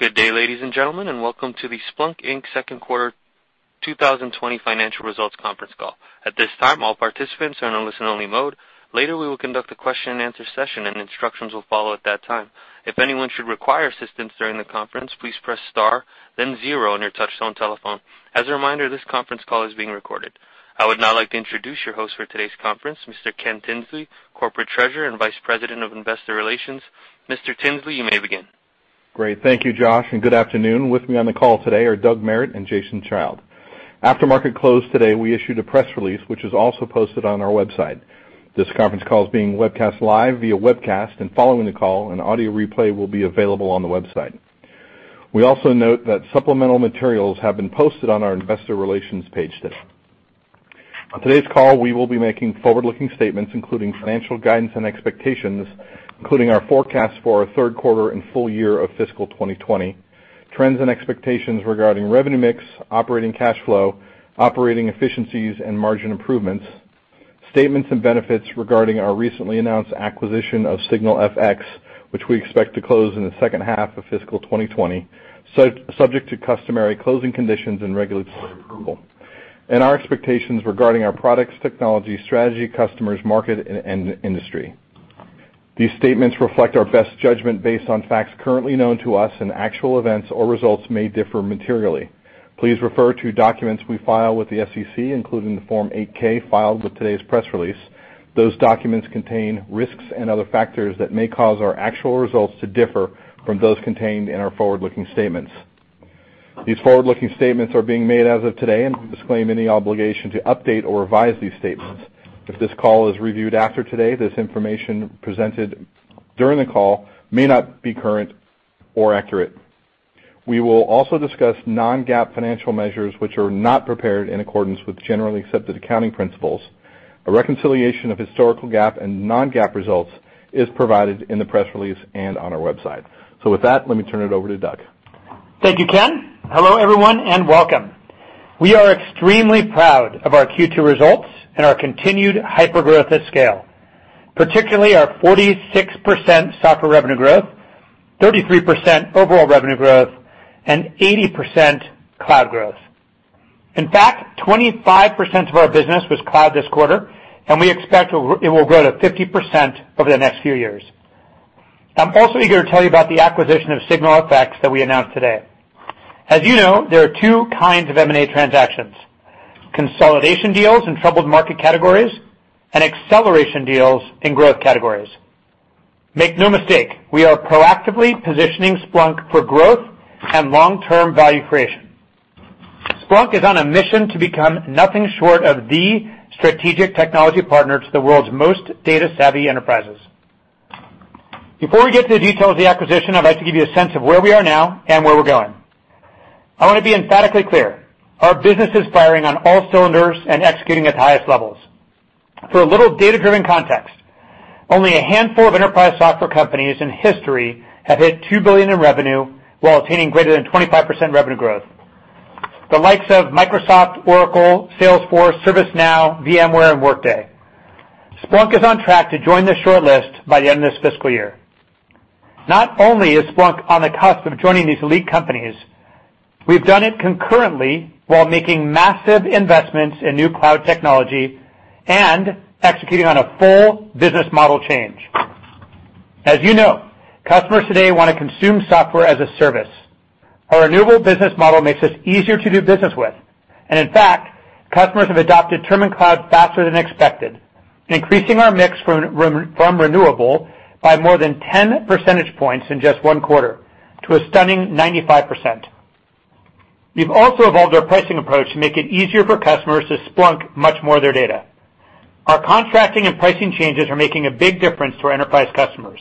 Good day, ladies and gentlemen, welcome to the Splunk Inc. second quarter 2020 financial results conference call. At this time, all participants are in a listen only mode. Later, we will conduct a question and answer session, and instructions will follow at that time. If anyone should require assistance during the conference, please press star then zero on your touchtone telephone. As a reminder, this conference call is being recorded. I would now like to introduce your host for today's conference, Mr. Ken Tinsley, Corporate Treasurer and Vice President of Investor Relations. Mr. Tinsley, you may begin. Great. Thank you, Josh, and good afternoon. With me on the call today are Doug Merritt and Jason Child. After market close today, we issued a press release, which is also posted on our website. This conference call is being webcast live via webcast, and following the call, an audio replay will be available on the website. We also note that supplemental materials have been posted on our investor relations page today. On today's call, we will be making forward-looking statements including financial guidance and expectations, including our forecast for our third quarter and full year of fiscal 2020, trends and expectations regarding revenue mix, operating cash flow, operating efficiencies, and margin improvements, statements and benefits regarding our recently announced acquisition of SignalFx, which we expect to close in the second half of fiscal 2020, subject to customary closing conditions and regulatory approval, and our expectations regarding our products, technology, strategy, customers, market, and industry. These statements reflect our best judgment based on facts currently known to us, and actual events or results may differ materially. Please refer to documents we file with the SEC, including the Form 8-K filed with today's press release. Those documents contain risks and other factors that may cause our actual results to differ from those contained in our forward-looking statements. These forward-looking statements are being made as of today, and we disclaim any obligation to update or revise these statements. If this call is reviewed after today, this information presented during the call may not be current or accurate. We will also discuss non-GAAP financial measures, which are not prepared in accordance with generally accepted accounting principles. A reconciliation of historical GAAP and non-GAAP results is provided in the press release and on our website. With that, let me turn it over to Doug. Thank you, Ken. Hello, everyone, and welcome. We are extremely proud of our Q2 results and our continued hyper-growth at scale, particularly our 46% software revenue growth, 33% overall revenue growth, and 80% cloud growth. In fact, 25% of our business was cloud this quarter, and we expect it will grow to 50% over the next few years. I'm also eager to tell you about the acquisition of SignalFx that we announced today. As you know, there are two kinds of M&A transactions, consolidation deals in troubled market categories and acceleration deals in growth categories. Make no mistake, we are proactively positioning Splunk for growth and long-term value creation. Splunk is on a mission to become nothing short of the strategic technology partner to the world's most data savvy enterprises. Before we get into the details of the acquisition, I'd like to give you a sense of where we are now and where we're going. I want to be emphatically clear. Our business is firing on all cylinders and executing at the highest levels. For a little data driven context, only a handful of enterprise Software as a Service companies in history have hit $2 billion in revenue while attaining greater than 25% revenue growth. The likes of Microsoft, Oracle, Salesforce, ServiceNow, VMware, and Workday. Splunk is on track to join this short list by the end of this fiscal year. Not only is Splunk on the cusp of joining these elite companies, we've done it concurrently while making massive investments in new cloud technology and executing on a full business model change. As you know, customers today want to consume Software as a Service. Our renewable business model makes us easier to do business with, and in fact, customers have adopted term and cloud faster than expected, increasing our mix from renewable by more than 10 percentage points in just one quarter to a stunning 95%. We've also evolved our pricing approach to make it easier for customers to Splunk much more of their data. Our contracting and pricing changes are making a big difference for enterprise customers,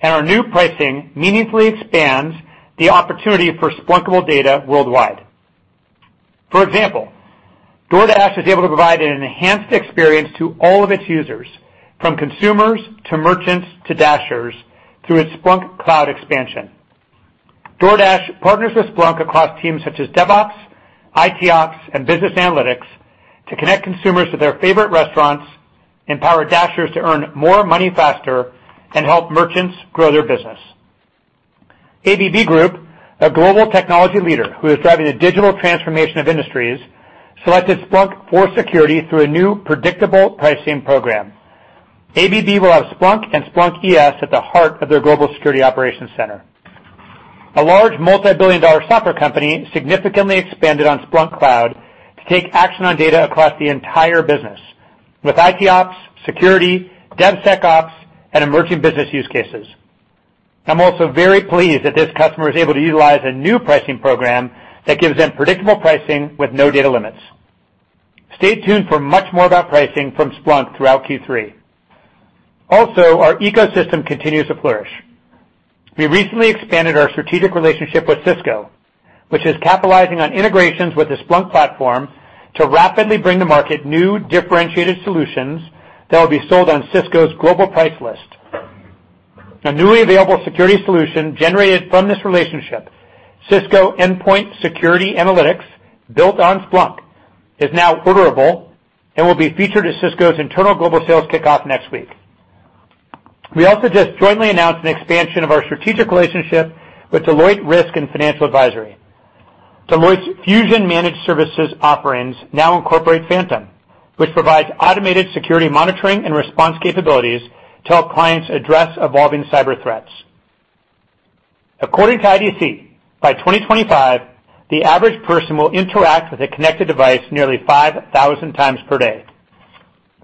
and our new pricing meaningfully expands the opportunity for Splunkable data worldwide. For example, DoorDash is able to provide an enhanced experience to all of its users, from consumers to merchants to Dashers, through its Splunk Cloud expansion. DoorDash partners with Splunk across teams such as DevOps, IT Ops, and business analytics to connect consumers to their favorite restaurants, empower Dashers to earn more money faster, and help merchants grow their business. ABB Group, a global technology leader who is driving the digital transformation of industries, selected Splunk for security through a new predictable pricing program. ABB will have Splunk and Splunk ES at the heart of their global security operations center. A large multi-billion dollar software company significantly expanded on Splunk Cloud to take action on data across the entire business with IT Ops, security, DevSecOps, and emerging business use cases. I'm also very pleased that this customer is able to utilize a new pricing program that gives them predictable pricing with no data limits. Stay tuned for much more about pricing from Splunk throughout Q3. Our ecosystem continues to flourish. We recently expanded our strategic relationship with Cisco, which is capitalizing on integrations with the Splunk platform to rapidly bring to market new differentiated solutions that will be sold on Cisco's global price list. A newly available security solution generated from this relationship, Cisco Endpoint Security Analytics, Built on Splunk is now orderable and will be featured at Cisco's internal global sales kickoff next week. We also just jointly announced an expansion of our strategic relationship with Deloitte Risk and Financial Advisory. Deloitte's Fusion Managed Services offerings now incorporate Phantom, which provides automated security monitoring and response capabilities to help clients address evolving cyber threats. According to IDC, by 2025, the average person will interact with a connected device nearly 5,000 times per day.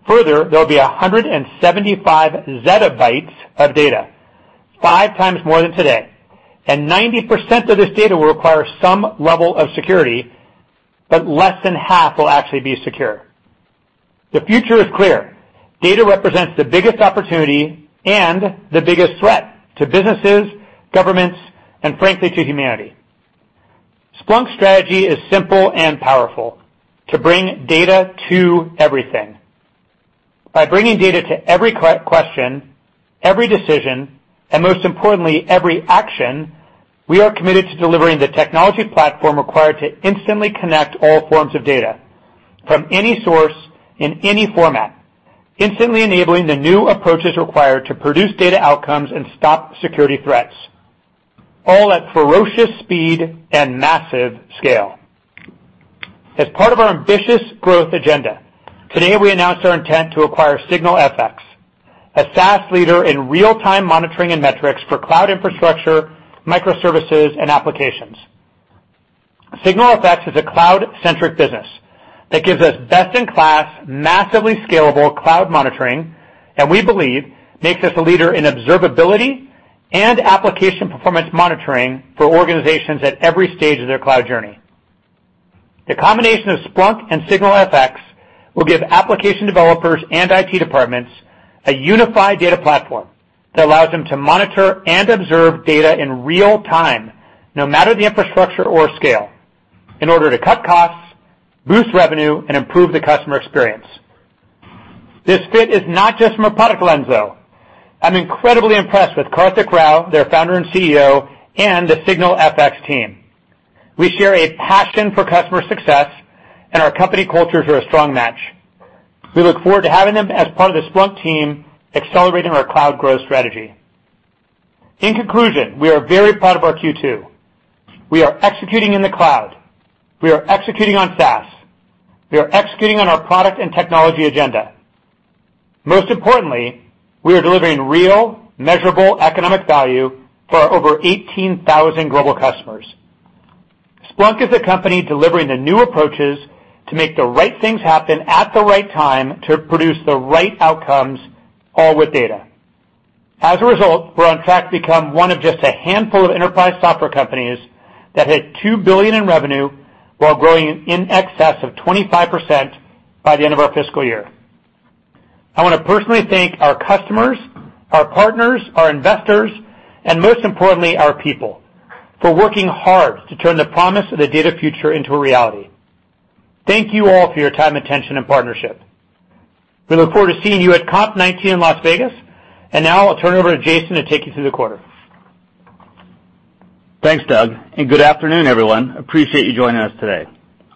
Further, there'll be 175 zettabytes of data, five times more than today, and 90% of this data will require some level of security, but less than half will actually be secure. The future is clear. Data represents the biggest opportunity and the biggest threat to businesses, governments, and frankly, to humanity. Splunk's strategy is simple and powerful: to bring data to everything. By bringing data to every question, every decision, and most importantly, every action, we are committed to delivering the technology platform required to instantly connect all forms of data from any source in any format, instantly enabling the new approaches required to produce data outcomes and stop security threats, all at ferocious speed and massive scale. As part of our ambitious growth agenda, today, we announced our intent to acquire SignalFx, a SaaS leader in real-time monitoring and metrics for cloud infrastructure, microservices, and applications. SignalFx is a cloud-centric business that gives us best-in-class, massively scalable cloud monitoring, and we believe makes us a leader in observability and application performance monitoring for organizations at every stage of their cloud journey. The combination of Splunk and SignalFx will give application developers and IT departments a unified data platform that allows them to monitor and observe data in real time, no matter the infrastructure or scale in order to cut costs, boost revenue, and improve the customer experience. This fit is not just from a product lens, though. I'm incredibly impressed with Karthik Rau, their founder and CEO, and the SignalFx team. We share a passion for customer success, and our company cultures are a strong match. We look forward to having them as part of the Splunk team, accelerating our cloud growth strategy. In conclusion, we are very proud of our Q2. We are executing in the cloud. We are executing on SaaS. We are executing on our product and technology agenda. Most importantly, we are delivering real, measurable economic value for our over 18,000 global customers. Splunk is a company delivering the new approaches to make the right things happen at the right time to produce the right outcomes, all with data. As a result, we're on track to become one of just a handful of enterprise software companies that hit $2 billion in revenue while growing in excess of 25% by the end of our fiscal year. I want to personally thank our customers, our partners, our investors, and most importantly, our people, for working hard to turn the promise of the data future into a reality. Thank you all for your time, attention, and partnership. We look forward to seeing you at .conf19 in Las Vegas. Now I'll turn it over to Jason to take you through the quarter. Thanks, Doug, good afternoon, everyone. Appreciate you joining us today.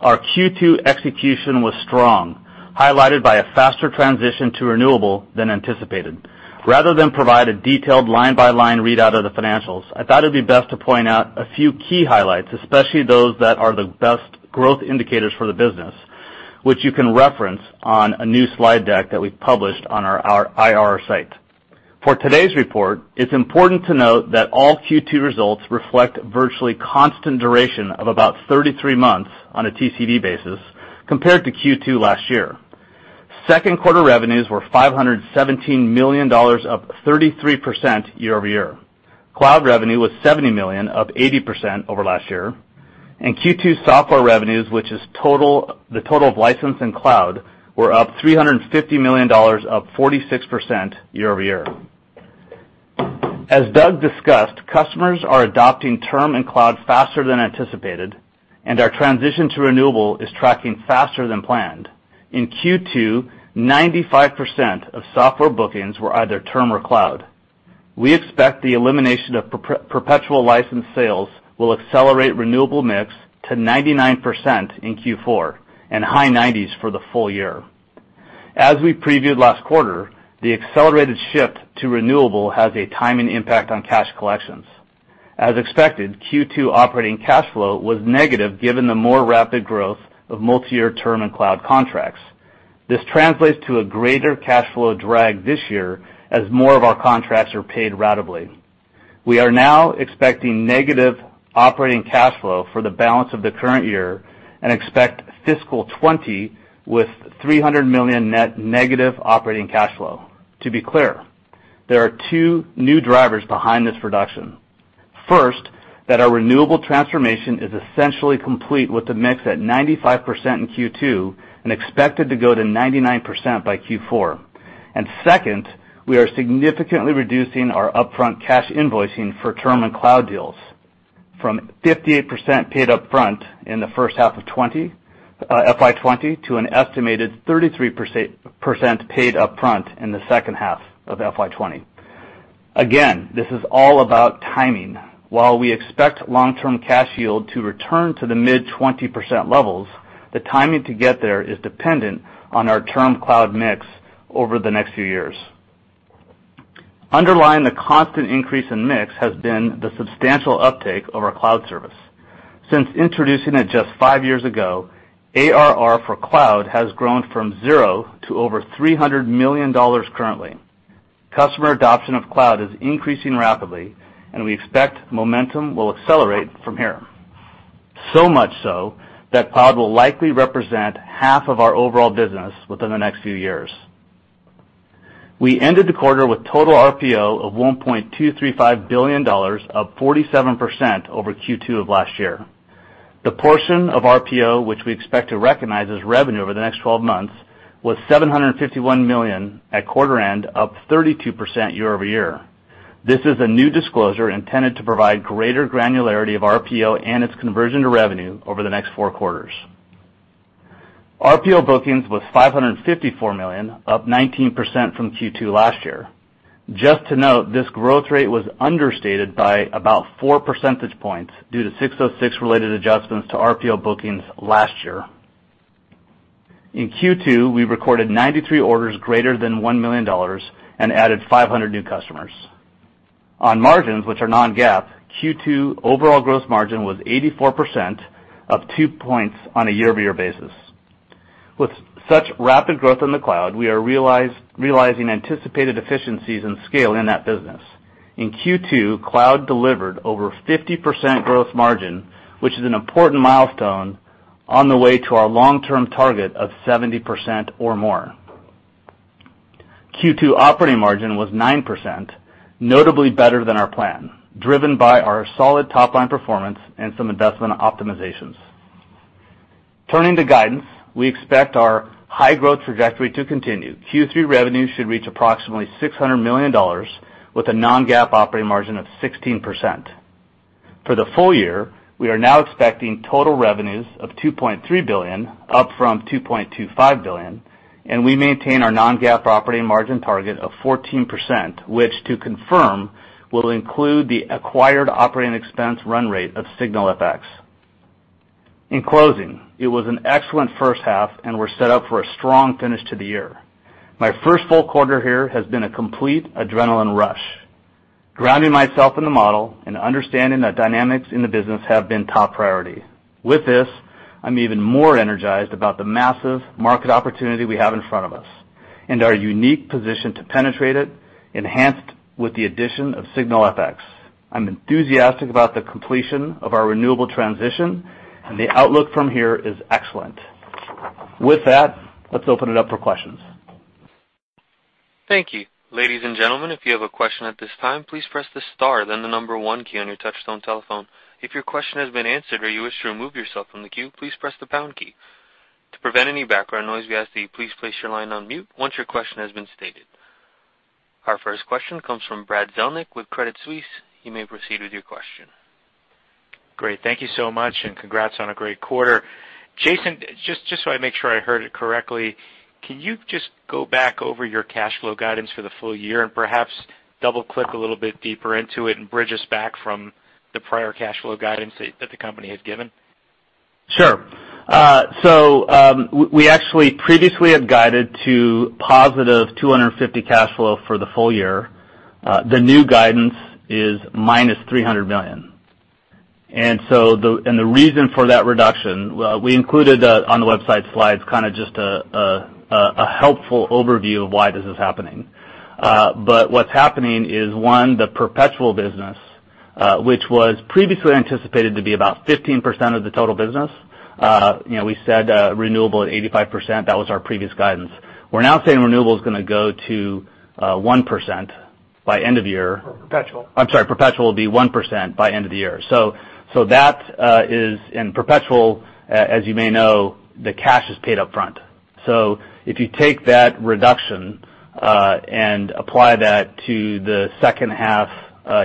Our Q2 execution was strong, highlighted by a faster transition to renewable than anticipated. Rather than provide a detailed line-by-line readout of the financials, I thought it'd be best to point out a few key highlights, especially those that are the best growth indicators for the business, which you can reference on a new slide deck that we've published on our IR site. For today's report, it's important to note that all Q2 results reflect virtually constant duration of about 33 months on a TCV basis compared to Q2 last year. Second quarter revenues were $517 million, up 33% year-over-year. Cloud revenue was $70 million, up 80% over last year, and Q2 software revenues, which is the total of license and cloud, were up $350 million, up 46% year-over-year. As Doug discussed, customers are adopting term and cloud faster than anticipated, and our transition to renewable is tracking faster than planned. In Q2, 95% of software bookings were either term or cloud. We expect the elimination of perpetual license sales will accelerate renewable mix to 99% in Q4 and high 90s for the full year. As we previewed last quarter, the accelerated shift to renewable has a timing impact on cash collections. As expected, Q2 operating cash flow was negative given the more rapid growth of multi-year term and cloud contracts. This translates to a greater cash flow drag this year as more of our contracts are paid ratably. We are now expecting negative operating cash flow for the balance of the current year and expect fiscal 2020 with $300 million net negative operating cash flow. To be clear, there are two new drivers behind this reduction. First, that our renewable transformation is essentially complete with the mix at 95% in Q2 and expected to go to 99% by Q4. Second, we are significantly reducing our upfront cash invoicing for term and cloud deals from 58% paid up front in the first half of FY 2020 to an estimated 33% paid up front in the second half of FY 2020. Again, this is all about timing. While we expect long-term cash yield to return to the mid 20% levels, the timing to get there is dependent on our term cloud mix over the next few years. Underlying the constant increase in mix has been the substantial uptake of our cloud service. Since introducing it just five years ago, ARR for cloud has grown from zero to over $300 million currently. Customer adoption of cloud is increasing rapidly, and we expect momentum will accelerate from here. So much so that cloud will likely represent half of our overall business within the next few years. We ended the quarter with total RPO of $1.235 billion, up 47% over Q2 of last year. The portion of RPO, which we expect to recognize as revenue over the next 12 months, was $751 million at quarter end, up 32% year-over-year. This is a new disclosure intended to provide greater granularity of RPO and its conversion to revenue over the next four quarters. RPO bookings was $554 million, up 19% from Q2 last year. Just to note, this growth rate was understated by about four percentage points due to 606 related adjustments to RPO bookings last year. In Q2, we recorded 93 orders greater than $1 million and added 500 new customers. On margins, which are non-GAAP, Q2 overall gross margin was 84%, up two points on a year-over-year basis. With such rapid growth in the cloud, we are realizing anticipated efficiencies and scale in that business. In Q2, cloud delivered over 50% growth margin, which is an important milestone on the way to our long-term target of 70% or more. Q2 operating margin was 9%, notably better than our plan, driven by our solid top-line performance and some investment optimizations. Turning to guidance, we expect our high growth trajectory to continue. Q3 revenues should reach approximately $600 million, with a non-GAAP operating margin of 16%. For the full year, we are now expecting total revenues of $2.3 billion, up from $2.25 billion, and we maintain our non-GAAP operating margin target of 14%, which to confirm, will include the acquired operating expense run rate of SignalFx. In closing, it was an excellent first half, and we're set up for a strong finish to the year. My first full quarter here has been a complete adrenaline rush. Grounding myself in the model and understanding the dynamics in the business have been top priority. With this, I'm even more energized about the massive market opportunity we have in front of us and our unique position to penetrate it, enhanced with the addition of SignalFx. I'm enthusiastic about the completion of our renewable transition, and the outlook from here is excellent. With that, let's open it up for questions. Thank you. Ladies and gentlemen, if you have a question at this time, please press the star then the number 1 key on your touch-tone telephone. If your question has been answered or you wish to remove yourself from the queue, please press the pound key. To prevent any background noise, we ask that you please place your line on mute once your question has been stated. Our first question comes from Brad Zelnick with Credit Suisse. You may proceed with your question. Thank you so much. Congrats on a great quarter. Jason, just so I make sure I heard it correctly, can you just go back over your cash flow guidance for the full year and perhaps double-click a little bit deeper into it and bridge us back from the prior cash flow guidance that the company had given? Sure. We actually previously had guided to positive $250 million cash flow for the full year. The new guidance is -$300 million. The reason for that reduction, we included on the website slides just a helpful overview of why this is happening. What's happening is, one, the perpetual business, which was previously anticipated to be about 15% of the total business. We said renewable at 85%. That was our previous guidance. We're now saying perpetual will be 1% by end of the year. That is in perpetual, as you may know, the cash is paid upfront. If you take that reduction, and apply that to the second half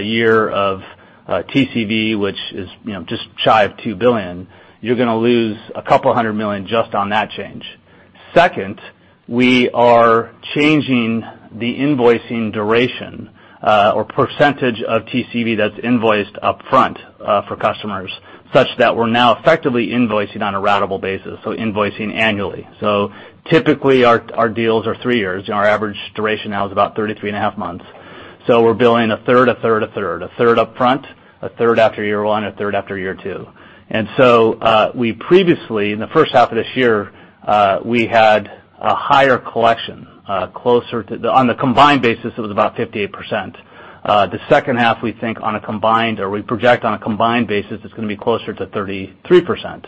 year of TCV, which is just shy of $2 billion, you're going to lose $200 million just on that change. Second, we are changing the invoicing duration, or percentage of TCV that's invoiced upfront for customers, such that we're now effectively invoicing on a ratable basis, so invoicing annually. Typically, our deals are three years. Our average duration now is about 33 and a half months. We're billing a third, a third, a third. A third upfront, a third after year one, a third after year two. Previously, in the first half of this year, we had a higher collection. On the combined basis, it was about 58%. The second half, we think on a combined, or we project on a combined basis, it's going to be closer to 33%.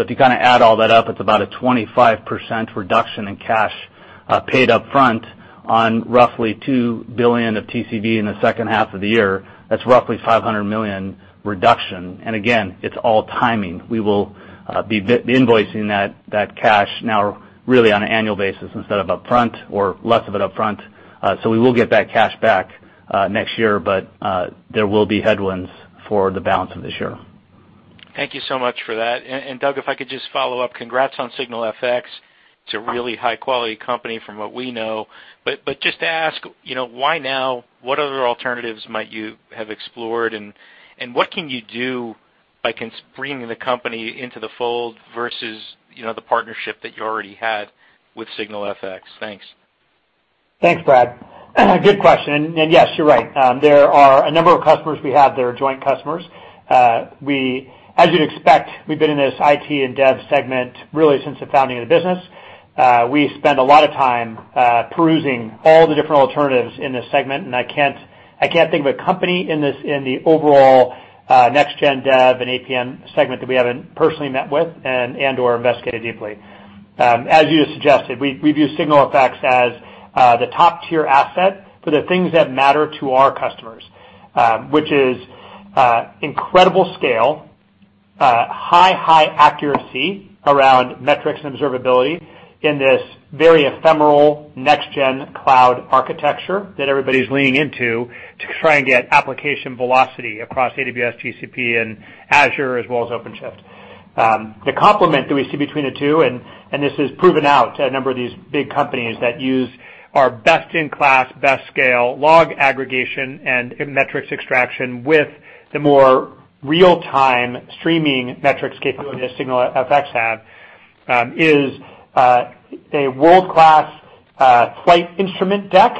If you kind of add all that up, it's about a 25% reduction in cash paid upfront on roughly $2 billion of TCV in the second half of the year. That's roughly $500 million reduction. Again, it's all timing. We will be invoicing that cash now really on an annual basis instead of upfront or less of it upfront. We will get that cash back next year, but there will be headwinds for the balance of this year. Thank you so much for that. Doug, if I could just follow up, congrats on SignalFx. It's a really high-quality company from what we know. Just to ask, why now? What other alternatives might you have explored? What can you do by bringing the company into the fold versus the partnership that you already had with SignalFx? Thanks. Thanks, Brad. Good question. Yes, you're right. There are a number of customers we have that are joint customers. As you'd expect, we've been in this IT and dev segment really since the founding of the business. We spend a lot of time perusing all the different alternatives in this segment, and I can't think of a company in the overall next-gen dev and APM segment that we haven't personally met with and/or investigated deeply. As you had suggested, we view SignalFx as the top-tier asset for the things that matter to our customers, which is incredible scale, high accuracy around metrics and observability in this very ephemeral next-gen cloud architecture that everybody's leaning into to try and get application velocity across AWS, GCP, and Azure, as well as OpenShift. The complement that we see between the two, and this is proven out to a number of these big companies that use our best-in-class, best scale log aggregation and metrics extraction with the more real-time streaming metrics capability that SignalFx have, is a world-class flight instrument deck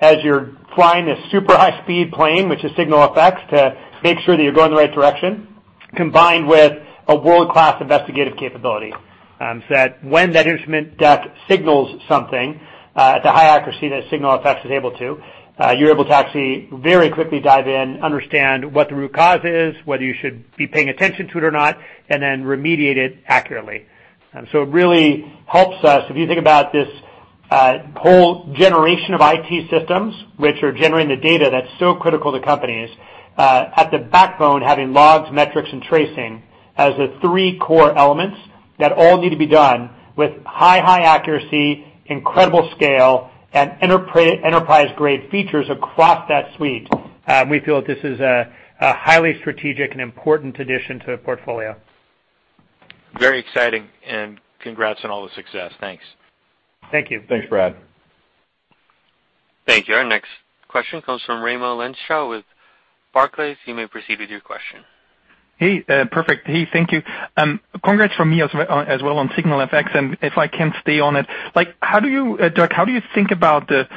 as you're flying this super high-speed plane, which is SignalFx, to make sure that you're going the right direction, combined with a world-class investigative capability, so that when that instrument deck signals something at the high accuracy that SignalFx is able to, you're able to actually very quickly dive in, understand what the root cause is, whether you should be paying attention to it or not, and then remediate it accurately. It really helps us. If you think about this whole generation of IT systems, which are generating the data that is so critical to companies, at the backbone, having logs, metrics, and tracing as the three core elements that all need to be done with high accuracy, incredible scale, and enterprise-grade features across that suite. We feel that this is a highly strategic and important addition to the portfolio. Very exciting, and congrats on all the success. Thanks. Thank you. Thanks, Brad. Thank you. Our next question comes from Raimo Lenschow with Barclays. You may proceed with your question. Hey. Perfect. Hey, thank you. Congrats from me as well on SignalFx, and if I can stay on it, Doug, how do you think about the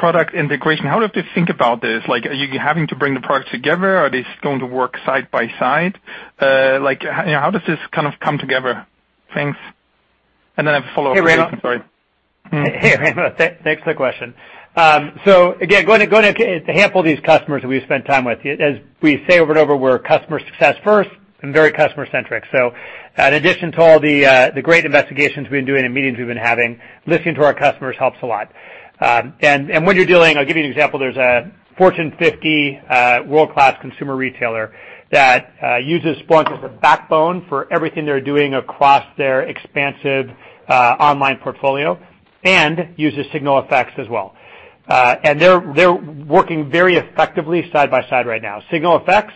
product integration? How do you think about this? Are you having to bring the products together? Are they going to work side by side? How does this kind of come together? Thanks. Then I have a follow-up. Hey, Raimo. question. Sorry. Hey, Raimo. Thanks for the question. Again, going to a handful of these customers that we've spent time with. As we say over and over, we're customer success first and very customer centric. In addition to all the great investigations we've been doing and meetings we've been having, listening to our customers helps a lot. When you're dealing, I'll give you an example, there's a Fortune 50 world-class consumer retailer that uses Splunk as a backbone for everything they're doing across their expansive online portfolio and uses SignalFx as well. They're working very effectively side by side right now. SignalFx,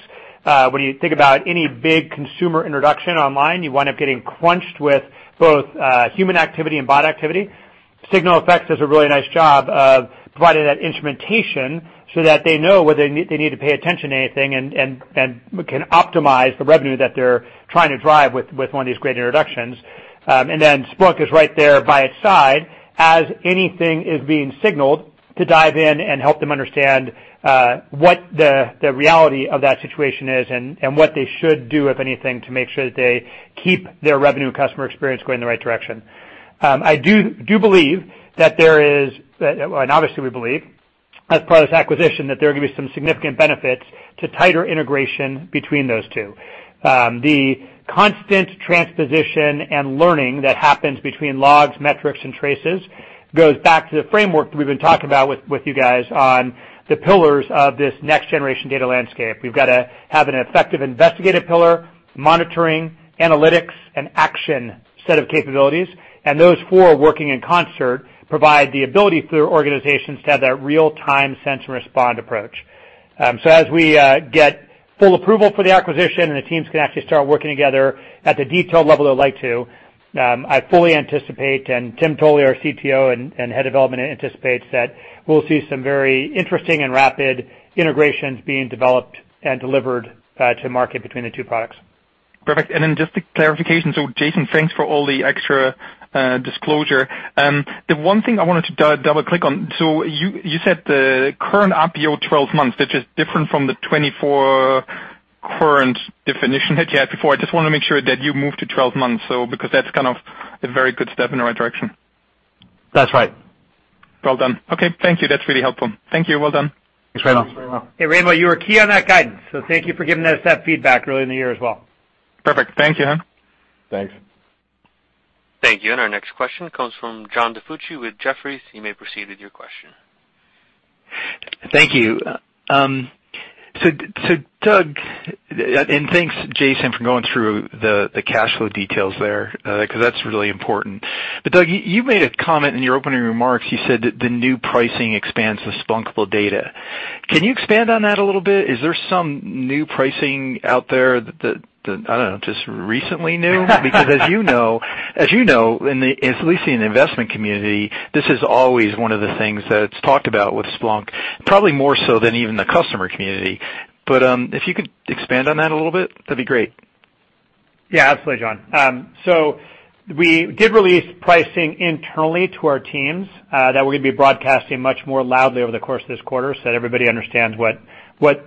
when you think about any big consumer introduction online, you wind up getting crunched with both human activity and bot activity. SignalFx does a really nice job of providing that instrumentation so that they know whether they need to pay attention to anything and can optimize the revenue that they're trying to drive with one of these great introductions. Splunk is right there by its side as anything is being signaled to dive in and help them understand what the reality of that situation is and what they should do, if anything, to make sure that they keep their revenue customer experience going in the right direction. I do believe that there is, and obviously we believe as part of this acquisition, that there are going to be some significant benefits to tighter integration between those two. The constant transposition and learning that happens between logs, metrics, and traces goes back to the framework that we've been talking about with you guys on the pillars of this next-generation data landscape. We've got to have an effective investigative pillar, monitoring, analytics, and action set of capabilities, and those four working in concert provide the ability for organizations to have that real-time sense and respond approach. As we get full approval for the acquisition, and the teams can actually start working together at the detailed level they'd like to, I fully anticipate, and Tim Tully, our CTO and head of development, anticipates that we'll see some very interesting and rapid integrations being developed and delivered to market between the two products. Perfect. Just a clarification. Jason, thanks for all the extra disclosure. The one thing I wanted to double click on, so you said the current RPO 12 months, which is different from the 24 current definition that you had before. I just want to make sure that you moved to 12 months, because that's kind of a very good step in the right direction. That's right. Well done. Okay. Thank you. That's really helpful. Thank you. Well done. Thanks, Raimo. Hey, Raimo, you were key on that guidance, so thank you for giving us that feedback early in the year as well. Perfect. Thank you. Thanks. Thank you. Our next question comes from John DiFucci with Jefferies. You may proceed with your question. Thank you. Doug, and thanks, Jason, for going through the cash flow details there, because that's really important. Doug, you made a comment in your opening remarks. You said that the new pricing expands the Splunkable data. Can you expand on that a little bit? Is there some new pricing out there that, I don't know, just recently new? As you know, at least in the investment community, this is always one of the things that's talked about with Splunk, probably more so than even the customer community. If you could expand on that a little bit, that'd be great. Yeah, absolutely, John. We did release pricing internally to our teams that we're going to be broadcasting much more loudly over the course of this quarter so that everybody understands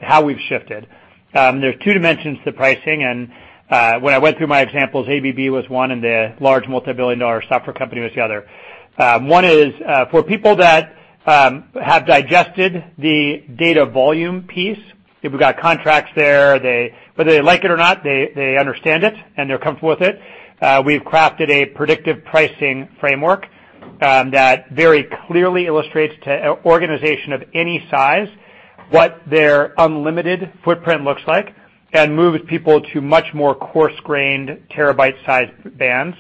how we've shifted. There's two dimensions to pricing, and when I went through my examples, ABB was one, and the large multi-billion-dollar software company was the other. One is, for people that have digested the data volume piece, people who got contracts there, whether they like it or not, they understand it, and they're comfortable with it. We've crafted a predictive pricing framework that very clearly illustrates to an organization of any size what their unlimited footprint looks like and moves people to much more coarse-grained terabyte-sized bands.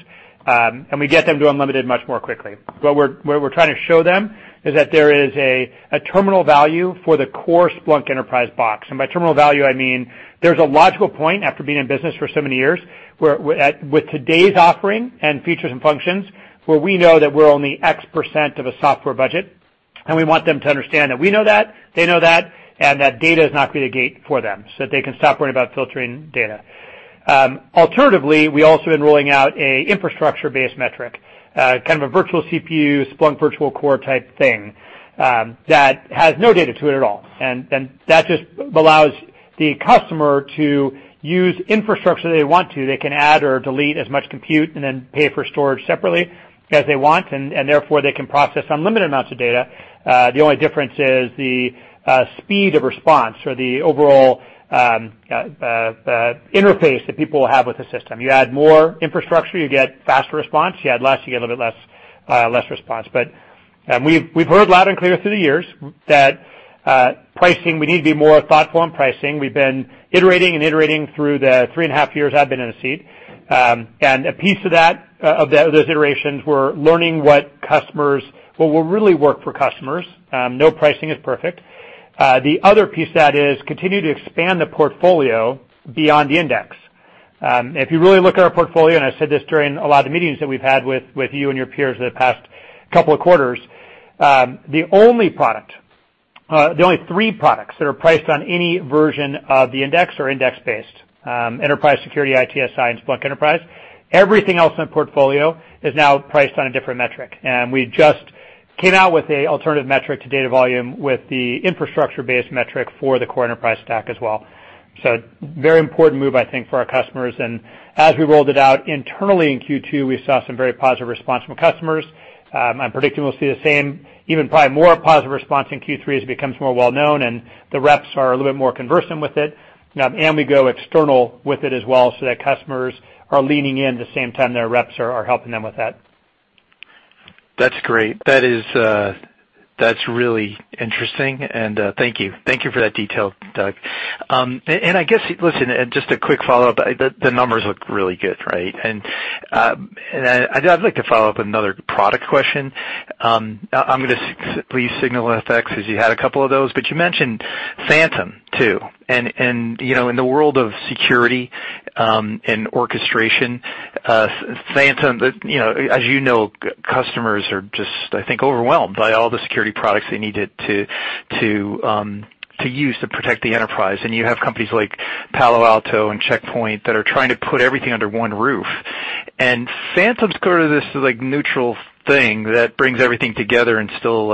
We get them to unlimited much more quickly. What we're trying to show them is that there is a terminal value for the core Splunk Enterprise box. By terminal value, I mean there's a logical point after being in business for so many years where, with today's offering and features and functions, where we know that we're only X% of a software budget, and we want them to understand that we know that, they know that, and that data is not going to be the gate for them, so that they can stop worrying about filtering data. Alternatively, we also have been rolling out an infrastructure-based metric, kind of a virtual CPU, Splunk virtual core type thing, that has no data to it at all. That just allows the customer to use infrastructure they want to. They can add or delete as much compute and then pay for storage separately as they want, and therefore, they can process unlimited amounts of data. The only difference is the speed of response or the overall interface that people have with the system. You add more infrastructure, you get faster response. You add less, you get a little bit less response. We've heard loud and clear through the years that pricing, we need to be more thoughtful on pricing. We've been iterating and iterating through the three and a half years I've been in the seat. A piece of those iterations were learning what will really work for customers. No pricing is perfect. The other piece of that is continue to expand the portfolio beyond the index. If you really look at our portfolio, I said this during a lot of the meetings that we've had with you and your peers in the past couple of quarters, the only three products that are priced on any version of the index are index-based, Enterprise Security, ITSI, and Splunk Enterprise. Everything else in the portfolio is now priced on a different metric, we just came out with an alternative metric to data volume with the infrastructure-based metric for the core enterprise stack as well. Very important move, I think, for our customers. As we rolled it out internally in Q2, we saw some very positive response from customers. I'm predicting we'll see the same, even probably more positive response in Q3 as it becomes more well-known and the reps are a little bit more conversant with it, and we go external with it as well, so that customers are leaning in the same time their reps are helping them with that. That's great. That's really interesting, and thank you. Thank you for that detail, Doug. I guess, listen, just a quick follow-up, the numbers look really good, right? I'd like to follow up with another product question. I'm going to please SignalFx as you had a couple of those, but you mentioned Phantom too. In the world of security and orchestration, Phantom, as you know, customers are just, I think, overwhelmed by all the security products they needed to use to protect the enterprise. You have companies like Palo Alto and Check Point that are trying to put everything under one roof. Phantom's sort of this neutral thing that brings everything together and still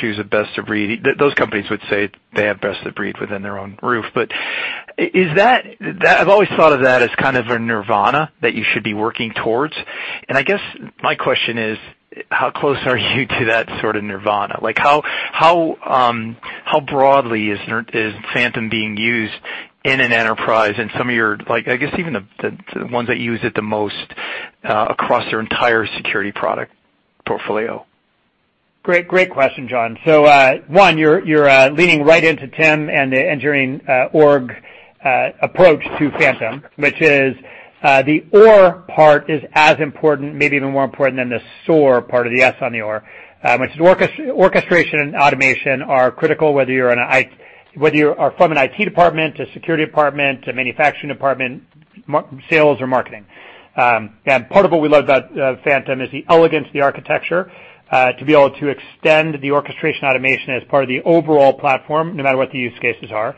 choose a best-of-breed. Those companies would say they have best-of-breed within their own roof. I've always thought of that as kind of a nirvana that you should be working towards. I guess my question is, how close are you to that sort of nirvana? How broadly is Phantom being used in an enterprise and some of your, I guess, even the ones that use it the most across their entire security product portfolio? Great question, John. One, you're leaning right into Tim and the engineering org approach to Phantom, which is the OR part is as important, maybe even more important than the SOR part of the S on the OR, which is orchestration and automation are critical, whether you are from an IT department to a security department to a manufacturing department, sales or marketing. Part of what we love about Phantom is the elegance of the architecture to be able to extend the orchestration automation as part of the overall platform, no matter what the use cases are.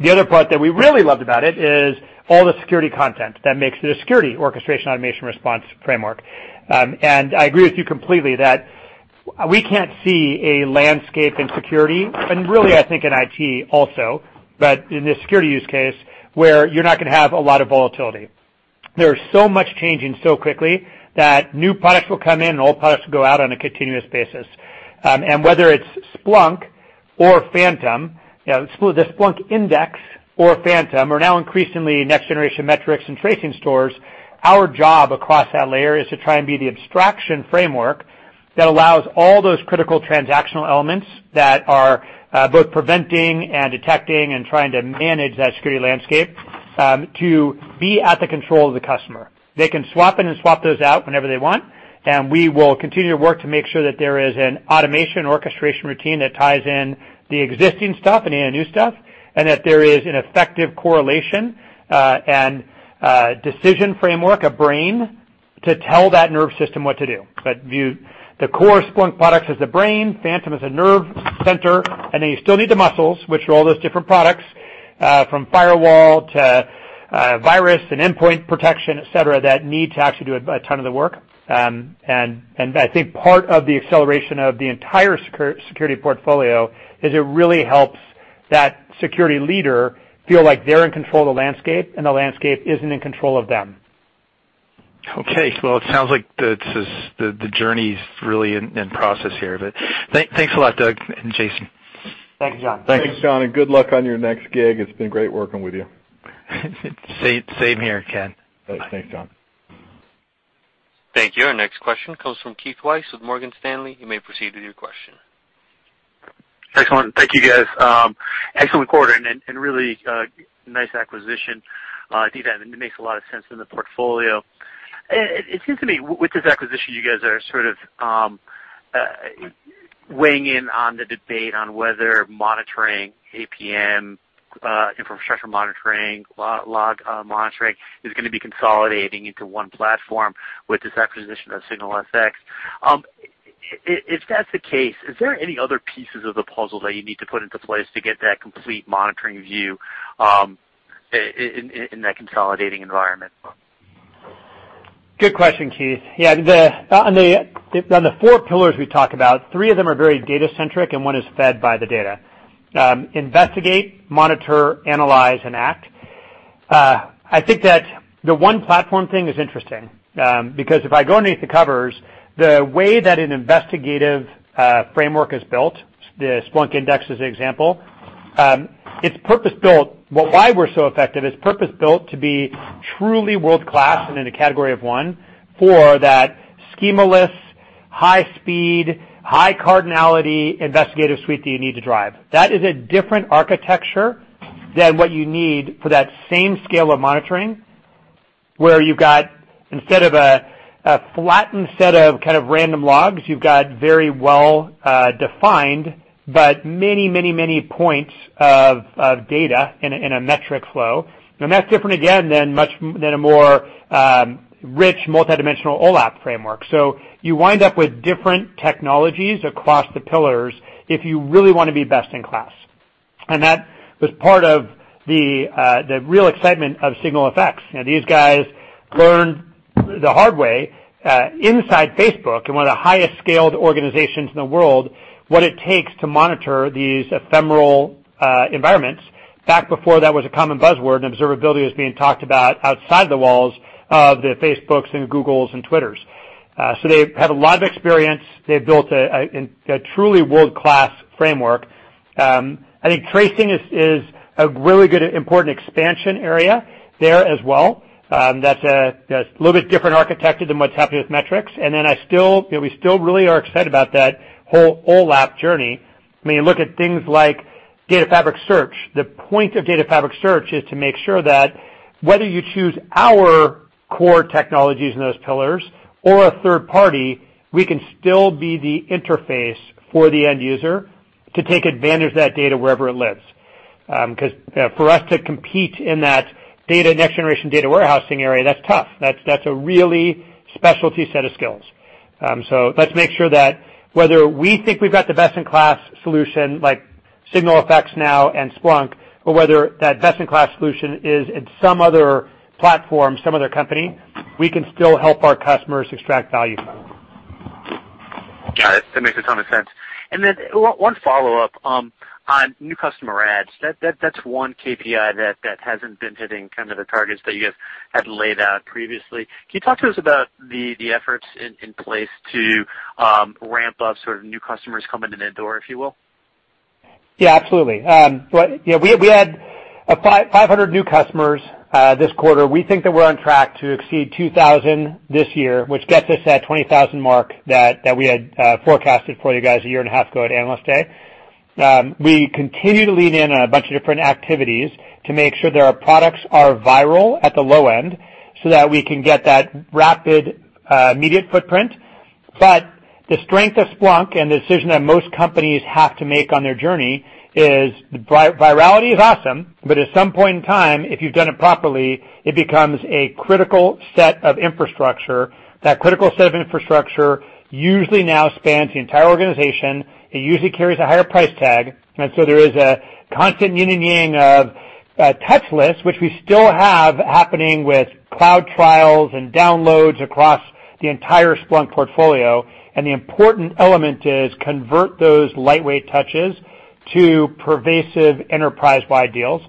The other part that we really loved about it is all the security content that makes it a security orchestration automation response framework. I agree with you completely that we can't see a landscape in security, and really, I think in IT also, but in the security use case, where you're not going to have a lot of volatility. There is so much changing so quickly that new products will come in and old products will go out on a continuous basis. Whether it's Splunk or Phantom, the Splunk index or Phantom, or now increasingly next-generation metrics and tracing stores, our job across that layer is to try and be the abstraction framework that allows all those critical transactional elements that are both preventing and detecting and trying to manage that security landscape to be at the control of the customer. They can swap in and swap those out whenever they want. We will continue to work to make sure that there is an automation orchestration routine that ties in the existing stuff and the new stuff, and that there is an effective correlation and decision framework, a brain, to tell that nerve system what to do. View the core Splunk products as the brain, Phantom as a nerve center, and then you still need the muscles, which are all those different products from firewall to virus and endpoint protection, et cetera, that need to actually do a ton of the work. I think part of the acceleration of the entire security portfolio is it really helps that security leader feel like they're in control of the landscape and the landscape isn't in control of them. Okay. It sounds like the journey's really in process here, but thanks a lot, Doug and Jason. Thanks, John. Thanks. Thanks, John, and good luck on your next gig. It's been great working with you. Same here, Ken. Thanks, John. Thank you. Our next question comes from Keith Weiss with Morgan Stanley. You may proceed with your question. Excellent. Thank you, guys. Excellent quarter, really nice acquisition. I do think it makes a lot of sense in the portfolio. It seems to me with this acquisition, you guys are sort of weighing in on the debate on whether monitoring APM, infrastructure monitoring, log monitoring is going to be consolidating into one platform with this acquisition of SignalFx. If that's the case, is there any other pieces of the puzzle that you need to put into place to get that complete monitoring view in that consolidating environment? Good question, Keith. Yeah. On the four pillars we talk about, three of them are very data-centric, and one is fed by the data. Investigate, monitor, analyze, and act. I think that the one platform thing is interesting, because if I go underneath the covers, the way that an investigative framework is built, the Splunk index as an example, it's purpose-built. Well, why we're so effective is purpose-built to be truly world-class and in a category of one for that schema-less, high speed, high cardinality investigative suite that you need to drive. That is a different architecture than what you need for that same scale of monitoring, where you've got instead of a flattened set of kind of random logs, you've got very well defined, but many points of data in a metric flow. That's different again than a more rich, multidimensional OLAP framework. You wind up with different technologies across the pillars if you really want to be best in class. That was part of the real excitement of SignalFx. These guys learned the hard way inside Facebook, in one of the highest scaled organizations in the world, what it takes to monitor these ephemeral environments back before that was a common buzzword, and observability was being talked about outside the walls of the Facebooks and Googles and Twitters. They have a lot of experience. They've built a truly world-class framework. I think tracing is a really good important expansion area there as well. That's a little bit different architected than what's happening with metrics. We still really are excited about that whole OLAP journey. When you look at things like Data Fabric Search, the point of Data Fabric Search is to make sure that whether you choose our core technologies in those pillars or a third party, we can still be the interface for the end user to take advantage of that data wherever it lives. For us to compete in that next generation data warehousing area, that's tough. That's a really specialty set of skills. Let's make sure that whether we think we've got the best in class solution like SignalFx now and Splunk, or whether that best in class solution is in some other platform, some other company, we can still help our customers extract value. Got it. That makes a ton of sense. One follow-up on new customer adds. That's one KPI that hasn't been hitting the targets that you guys had laid out previously. Can you talk to us about the efforts in place to ramp up sort of new customers coming in the door, if you will? Yeah, absolutely. We had 500 new customers this quarter. We think that we're on track to exceed 2,000 this year, which gets us that 20,000 mark that we had forecasted for you guys a year and a half ago at Analyst Day. We continue to lean in on a bunch of different activities to make sure that our products are viral at the low end so that we can get that rapid, immediate footprint. The strength of Splunk and the decision that most companies have to make on their journey is virality is awesome, but at some point in time, if you've done it properly, it becomes a critical set of infrastructure. That critical set of infrastructure usually now spans the entire organization. It usually carries a higher price tag. There is a constant yin and yang of touchless, which we still have happening with cloud trials and downloads across the entire Splunk portfolio. The important element is convert those lightweight touches to pervasive enterprise-wide deals,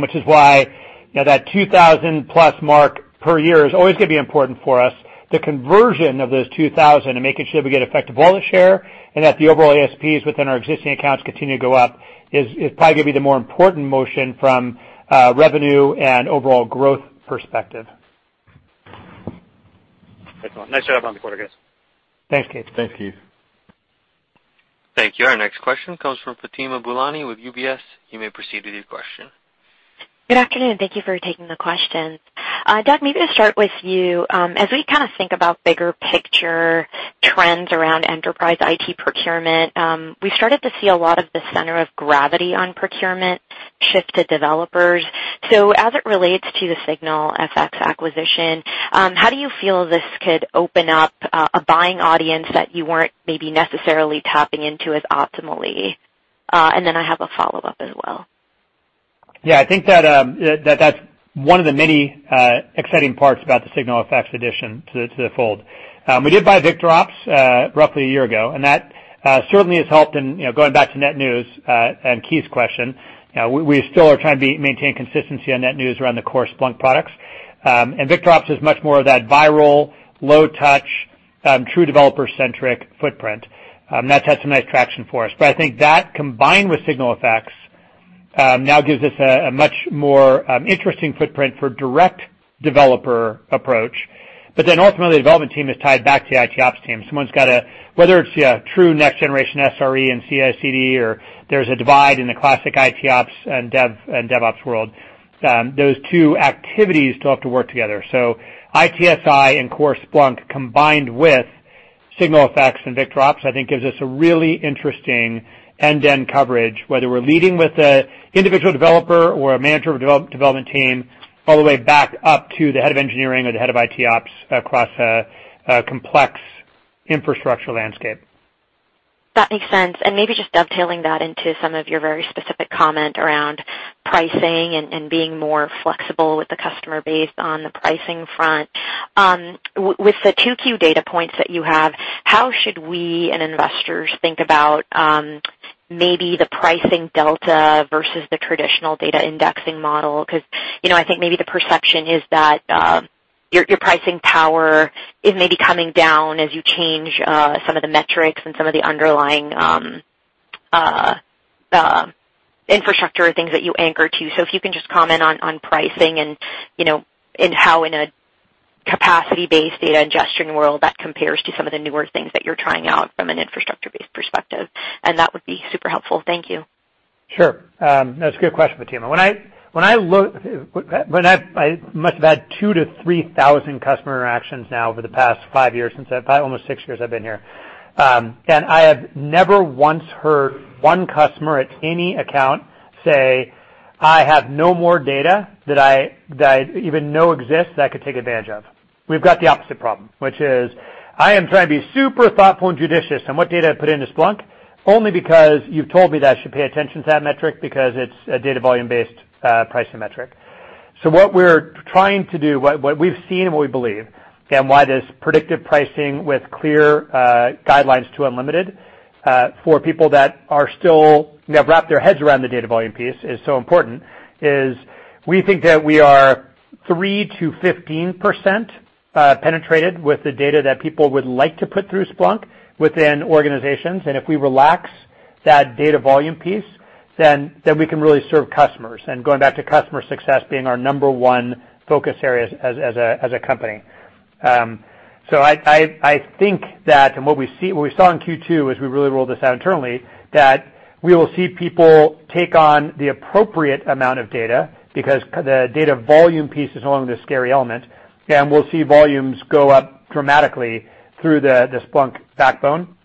which is why that 2,000 plus mark per year is always going to be important for us. The conversion of those 2,000 and making sure we get effective wallet share and that the overall ASPs within our existing accounts continue to go up is probably going to be the more important motion from revenue and overall growth perspective. Excellent. Nice job on the quarter, guys. Thanks, Keith. Thanks, Keith. Thank you. Our next question comes from Fatima Boolani with UBS. You may proceed with your question. Good afternoon. Thank you for taking the questions. Doug, maybe to start with you. As we think about bigger picture trends around enterprise IT procurement, we started to see a lot of the center of gravity on procurement shift to developers. As it relates to the SignalFx acquisition, how do you feel this could open up a buying audience that you weren't maybe necessarily tapping into as optimally? I have a follow-up as well. Yeah, I think that's one of the many exciting parts about the SignalFx addition to the fold. We did buy VictorOps roughly a year ago. That certainly has helped in going back to net new, Keith's question. We still are trying to maintain consistency on net new around the core Splunk products. VictorOps is much more of that viral, low touch, true developer-centric footprint. That's had some nice traction for us. I think that combined with SignalFx, now gives us a much more interesting footprint for direct developer approach. Ultimately, the development team is tied back to the ITOps team. Whether it's true next generation SRE and CI/CD, or there's a divide in the classic ITOps and DevOps world, those two activities still have to work together. ITSI and core Splunk combined with SignalFx and VictorOps, I think gives us a really interesting end-to-end coverage, whether we're leading with the individual developer or a manager of development team, all the way back up to the head of engineering or the head of ITOps across a complex infrastructure landscape. That makes sense. Maybe just dovetailing that into some of your very specific comment around pricing and being more flexible with the customer base on the pricing front. With the two key data points that you have, how should we and investors think about maybe the pricing delta versus the traditional data indexing model? I think maybe the perception is that your pricing power is maybe coming down as you change some of the metrics and some of the underlying infrastructure things that you anchor to. If you can just comment on pricing and how in a capacity-based data ingesting world that compares to some of the newer things that you're trying out from an infrastructure-based perspective. That would be super helpful. Thank you. Sure. That's a good question, Fatima. I must have had 2 to 3,000 customer interactions now over the past five years, almost six years I've been here. I have never once heard one customer at any account say, "I have no more data that I even know exists that I could take advantage of." We've got the opposite problem, which is, I am trying to be super thoughtful and judicious on what data I put into Splunk, only because you've told me that I should pay attention to that metric because it's a data volume-based pricing metric. What we're trying to do, what we've seen and what we believe, and why this predictive pricing with clear guidelines to unlimited for people that have wrapped their heads around the data volume piece is so important, is we think that we are 3%-15% penetrated with the data that people would like to put through Splunk within organizations. If we relax that data volume piece, then we can really serve customers. Going back to customer success being our number one focus area as a company. I think that, and what we saw in Q2 as we really rolled this out internally, that we will see people take on the appropriate amount of data because the data volume piece is only the scary element, and we'll see volumes go up dramatically through the Splunk backbone.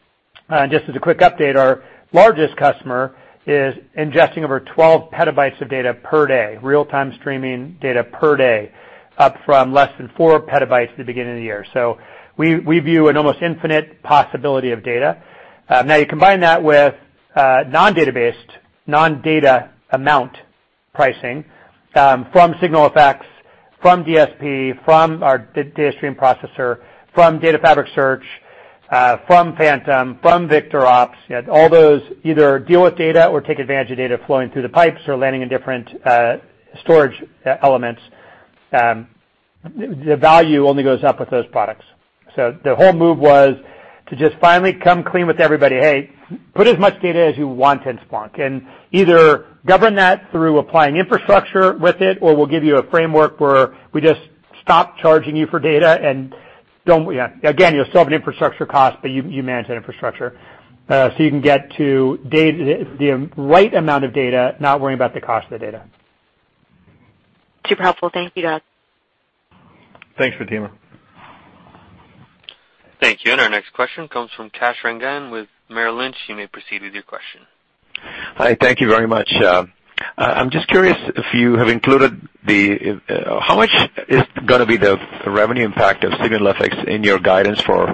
Just as a quick update, our largest customer is ingesting over 12 petabytes of data per day, real-time streaming data per day, up from less than 4 petabytes at the beginning of the year. We view an almost infinite possibility of data. You combine that with non-data based, non-data amount pricing from SignalFx, from DSP, from our Data Stream Processor, from Data Fabric Search, from Phantom, from VictorOps. Yet all those either deal with data or take advantage of data flowing through the pipes or landing in different storage elements. The value only goes up with those products. The whole move was to just finally come clean with everybody. Hey, put as much data as you want in Splunk, and either govern that through applying infrastructure with it, or we'll give you a framework where we just stop charging you for data, and again, you'll still have an infrastructure cost, but you manage that infrastructure. You can get to the right amount of data, not worrying about the cost of the data. Super helpful. Thank you, Doug. Thanks, Fatima. Thank you. Our next question comes from Kash Rangan with Merrill Lynch. You may proceed with your question. Hi. Thank you very much. I'm just curious if you have included how much is going to be the revenue impact of SignalFx in your guidance for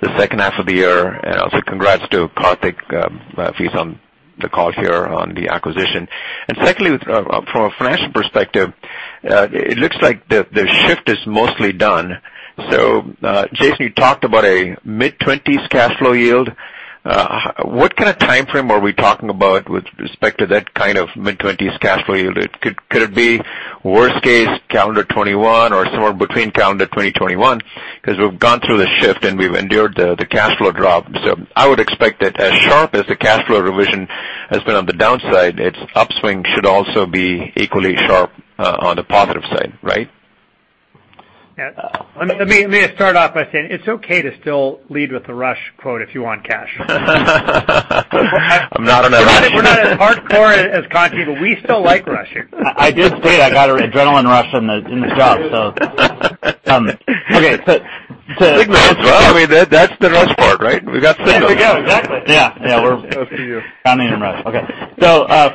the second half of the year? Also congrats to Karthik, if he's on the call here, on the acquisition. Secondly, from a financial perspective, it looks like the shift is mostly done. Jason, you talked about a mid-20s cash flow yield. What kind of timeframe are we talking about with respect to that kind of mid-20s cash flow yield? Could it be worst case calendar 2021 or somewhere between calendar 2021? Because we've gone through the shift and we've endured the cash flow drop. I would expect that as sharp as the cash flow revision has been on the downside, its upswing should also be equally sharp on the positive side, right? Let me start off by saying it's okay to still lead with the Rush quote if you want, Kash. I'm not in that rush. We're not as hardcore as Conti, but we still like Rush here. I did say I got an adrenaline rush in this job, so. Signal. Well, that's the Rush part, right? We got Signal. There we go. Exactly. Yeah. That's for you. counting in Rush. Okay.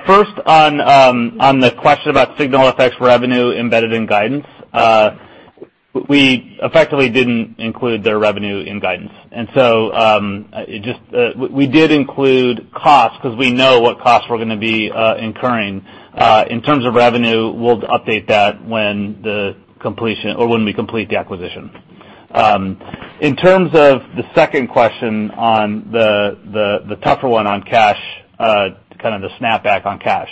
First on the question about SignalFx revenue embedded in guidance. We effectively didn't include their revenue in guidance. We did include costs because we know what costs we're going to be incurring. In terms of revenue, we'll update that when we complete the acquisition. In terms of the second question on the tougher one on cash, kind of the snap back on cash.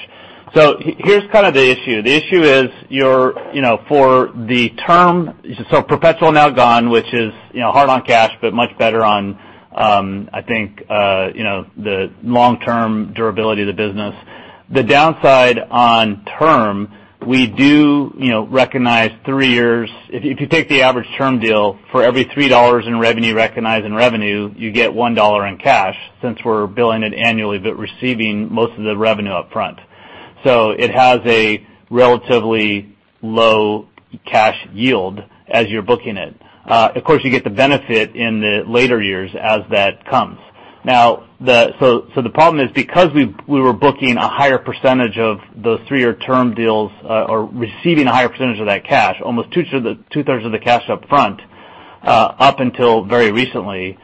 Here's kind of the issue. The issue is for the term, perpetual now gone, which is hard on cash, much better on, I think, the long-term durability of the business. The downside on term, we do recognize three years. If you take the average term deal, for every $3 in revenue recognized in revenue, you get $1 in cash, since we're billing it annually receiving most of the revenue up front. It has a relatively low cash yield as you're booking it. Of course, you get the benefit in the later years as that comes. The problem is because we were booking a higher percentage of those three-year term deals or receiving a higher percentage of that cash, almost two-thirds of the cash up front, up until very recently,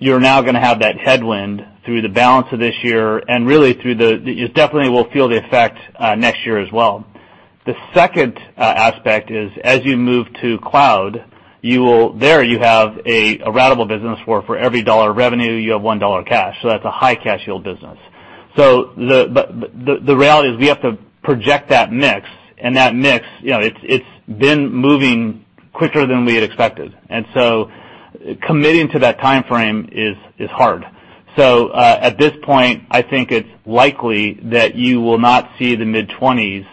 you're now going to have that headwind through the balance of this year and really you definitely will feel the effect next year as well. The second aspect is as you move to cloud, there you have a ratable business where for every dollar of revenue, you have $1 cash. That's a high cash yield business. The reality is we have to project that mix, and that mix, it's been moving quicker than we had expected. Committing to that timeframe is hard. At this point, I think it's likely that you will not see the mid-20s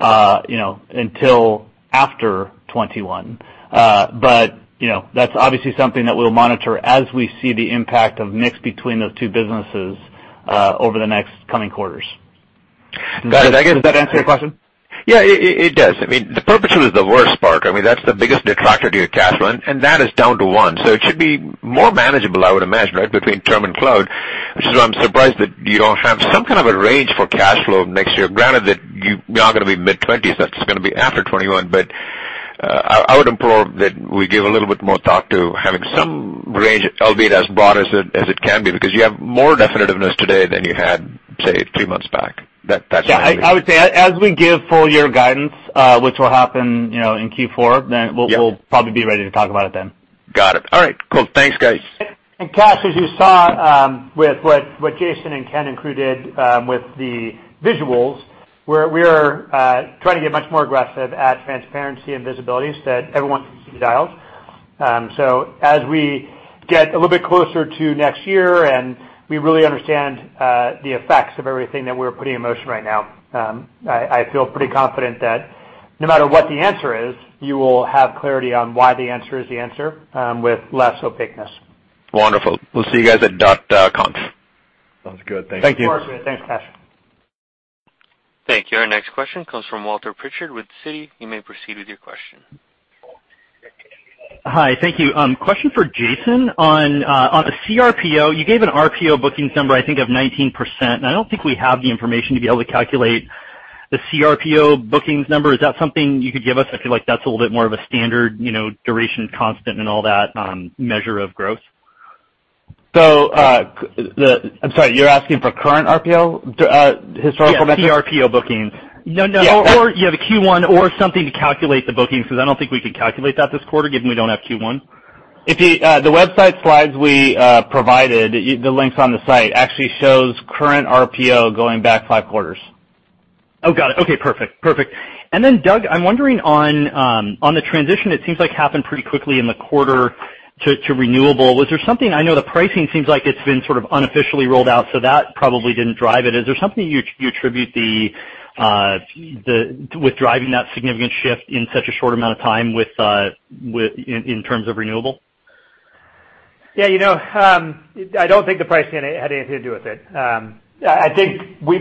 until after 2021. That's obviously something that we'll monitor as we see the impact of mix between those two businesses over the next coming quarters. Got it. Does that answer your question? Yeah, it does. The perpetual is the worst part. That's the biggest detractor to your cash flow. That is down to one. It should be more manageable, I would imagine, right? Between term and cloud. Which is why I'm surprised that you don't have some kind of a range for cash flow next year, granted that you're not going to be mid-20s, that's going to be after 2021. I would implore that we give a little bit more thought to having some range, albeit as broad as it can be, because you have more definitiveness today than you had, say, three months back. Yeah, I would say as we give full year guidance, which will happen in Q4. Yeah we'll probably be ready to talk about it then. Got it. All right, cool. Thanks, guys. Kash, as you saw with what Jason and Ken and crew did with the visuals, we are trying to get much more aggressive at transparency and visibility so that everyone can see the dials. As we get a little bit closer to next year and we really understand the effects of everything that we're putting in motion right now, I feel pretty confident that no matter what the answer is, you will have clarity on why the answer is the answer, with less opaqueness. Wonderful. We'll see you guys at .conf. Sounds good. Thanks. Thank you. Thanks, Kash. Thank you. Our next question comes from Walter Pritchard with Citi. You may proceed with your question. Hi. Thank you. Question for Jason on the CRPO. You gave an RPO bookings number, I think, of 19%, and I don't think we have the information to be able to calculate the CRPO bookings number. Is that something you could give us? I feel like that's a little bit more of a standard duration constant and all that on measure of growth. I'm sorry, you're asking for current RPO historical metric? Yeah, CRPO bookings. No. Yeah. You have a Q1 or something to calculate the bookings, because I don't think we could calculate that this quarter given we don't have Q1. The website slides we provided, the links on the site actually shows current RPO going back five quarters. Oh, got it. Okay, perfect. Doug, I'm wondering on the transition, it seems like happened pretty quickly in the quarter to renewable. Was there something I know the pricing seems like it's been sort of unofficially rolled out, so that probably didn't drive it. Is there something you attribute with driving that significant shift in such a short amount of time in terms of renewable? Yeah. I don't think the pricing had anything to do with it. I think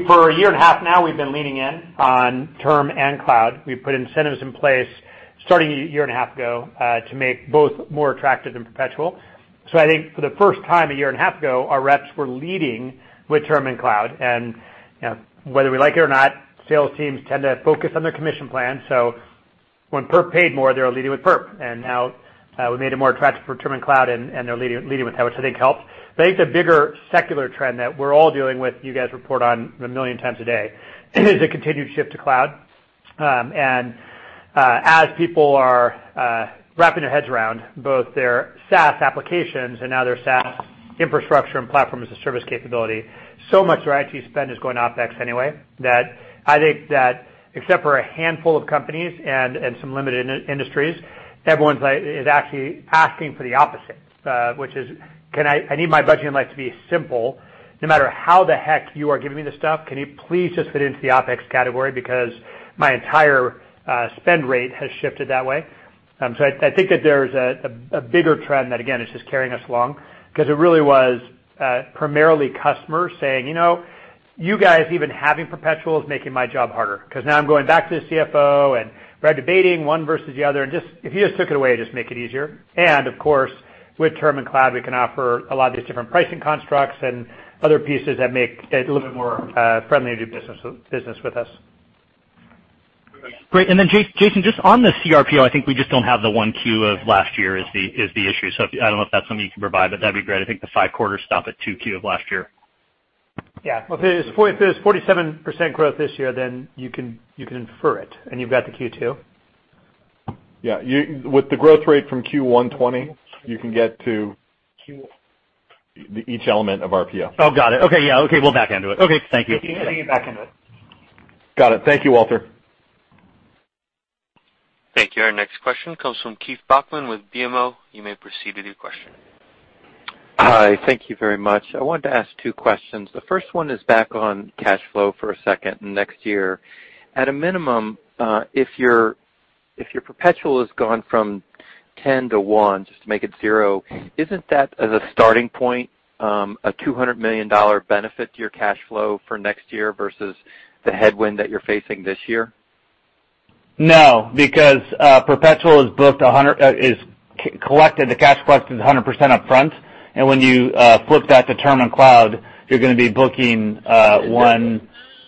for a year and a half now, we've been leaning in on term and cloud. We put incentives in place starting a year and a half ago, to make both more attractive than perpetual. I think for the first time a year and a half ago, our reps were leading with term and cloud. Whether we like it or not, sales teams tend to focus on their commission plan. When perp paid more, they were leading with perp, and now, we made it more attractive for term and cloud, and they're leading with that, which I think helps. I think the bigger secular trend that we're all dealing with, you guys report on a million times a day, is a continued shift to cloud. As people are wrapping their heads around both their SaaS applications and now their SaaS infrastructure and platform as a service capability, so much of our IT spend is going OpEx anyway, that I think that except for a handful of companies and some limited industries, everyone is actually asking for the opposite, which is, I need my budgeting life to be simple. No matter how the heck you are giving me this stuff, can you please just fit into the OpEx category? My entire spend rate has shifted that way. I think that there's a bigger trend that, again, is just carrying us along, because it really was primarily customers saying, "You guys even having perpetual is making my job harder, because now I'm going back to the CFO, and we're out debating one versus the other. If you just took it away, it'd just make it easier. Of course, with term and cloud, we can offer a lot of these different pricing constructs and other pieces that make it a little bit more friendly to do business with us. Great. Jason, just on the CRPO, I think we just don't have the 1 Q of last year is the issue. I don't know if that's something you can provide, but that'd be great. I think the 5 quarters stop at 2 Q of last year. Yeah. Well, if there's 47% growth this year, then you can infer it, and you've got the Q2. Yeah. With the growth rate from Q1 2020, you can get to each element of RPO. Oh, got it. Okay. Yeah. Okay. We'll back into it. Okay. Thank you. You can get back into it. Got it. Thank you, Walter. Thank you. Our next question comes from Keith Bachman with BMO. You may proceed with your question. Hi. Thank you very much. I wanted to ask two questions. The first one is back on cash flow for a second, and next year. At a minimum, if your perpetual has gone from 10 to one, just to make it zero, isn't that, as a starting point, a $200 million benefit to your cash flow for next year versus the headwind that you're facing this year? No, because perpetual is collected, the cash collected, 100% upfront. When you flip that to term and cloud, you're going to be booking one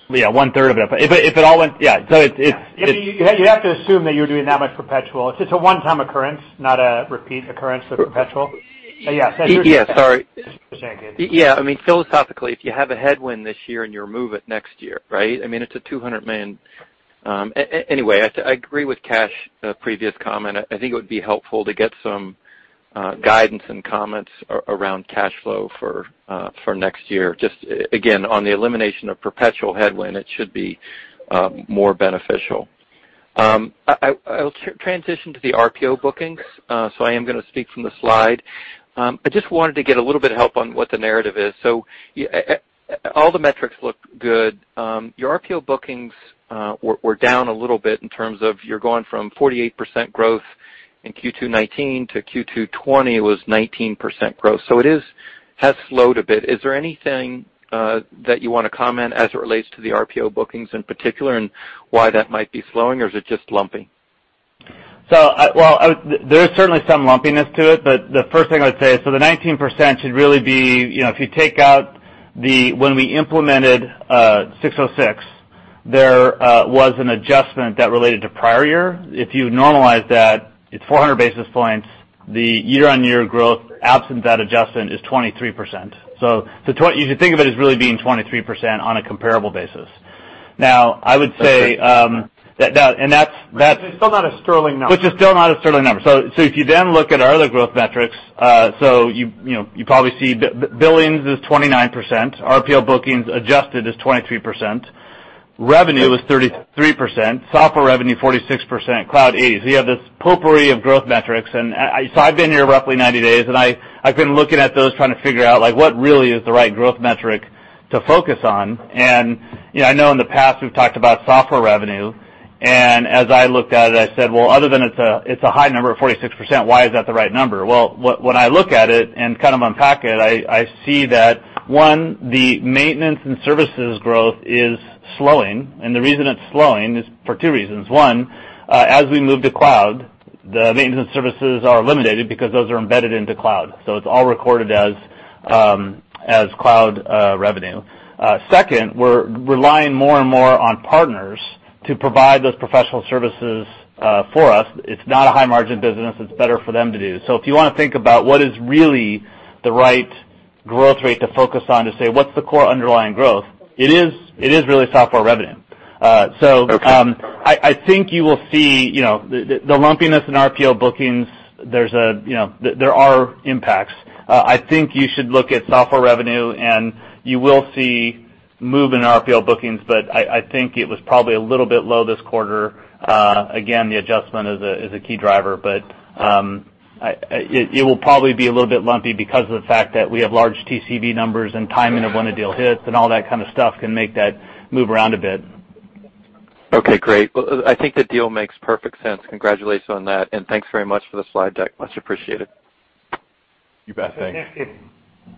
third of it. If it all went Yeah. You have to assume that you're doing that much perpetual. It's just a one-time occurrence, not a repeat occurrence of perpetual. Yeah. Yeah. Sorry. Yeah. I mean, philosophically, if you have a headwind this year and you remove it next year, right? I mean, it's a $200 million. I agree with Kash's previous comment. I think it would be helpful to get some guidance and comments around cash flow for next year. On the elimination of perpetual headwind, it should be more beneficial. I'll transition to the RPO bookings. I am going to speak from the slide. I just wanted to get a little bit of help on what the narrative is. All the metrics look good. Your RPO bookings were down a little bit in terms of you're going from 48% growth in Q2 2019 to Q2 2020 was 19% growth. It has slowed a bit. Is there anything that you want to comment as it relates to the RPO bookings in particular and why that might be slowing, or is it just lumping? Well, there is certainly some lumpiness to it, but the first thing I'd say is, so the 19% should really be, if you take out when we implemented 606, there was an adjustment that related to prior year. If you normalize that, it's 400 basis points. The year-on-year growth, absent that adjustment, is 23%. You should think of it as really being 23% on a comparable basis. Now, I would say. That's great. And that's- It's still not a sterling number. Which is still not a sterling number. If you then look at our other growth metrics, you probably see billings is 29%, RPO bookings adjusted is 23%, revenue is 33%, software revenue 46%, cloud 80%. You have this potpourri of growth metrics. I've been here roughly 90 days, and I've been looking at those trying to figure out what really is the right growth metric to focus on. I know in the past we've talked about software revenue, and as I looked at it, I said, "Well, other than it's a high number at 46%, why is that the right number?" Well, when I look at it and kind of unpack it, I see that, one, the maintenance and services growth is slowing. The reason it's slowing is for two reasons. One, as we move to cloud, the maintenance and services are eliminated because those are embedded into cloud, so it's all recorded as cloud revenue. Second, we're relying more and more on partners to provide those professional services for us. It's not a high-margin business. It's better for them to do. If you want to think about what is really the right growth rate to focus on to say, what's the core underlying growth, it is really software revenue. Okay. I think you will see the lumpiness in RPO bookings. There are impacts. I think you should look at software revenue, and you will see movement in RPO bookings, but I think it was probably a little bit low this quarter. Again, the adjustment is a key driver, but it will probably be a little bit lumpy because of the fact that we have large TCV numbers and timing of when a deal hits, and all that kind of stuff can make that move around a bit. Okay, great. Well, I think the deal makes perfect sense. Congratulations on that, and thanks very much for the slide deck. Much appreciated. You bet. Thanks. Thank you.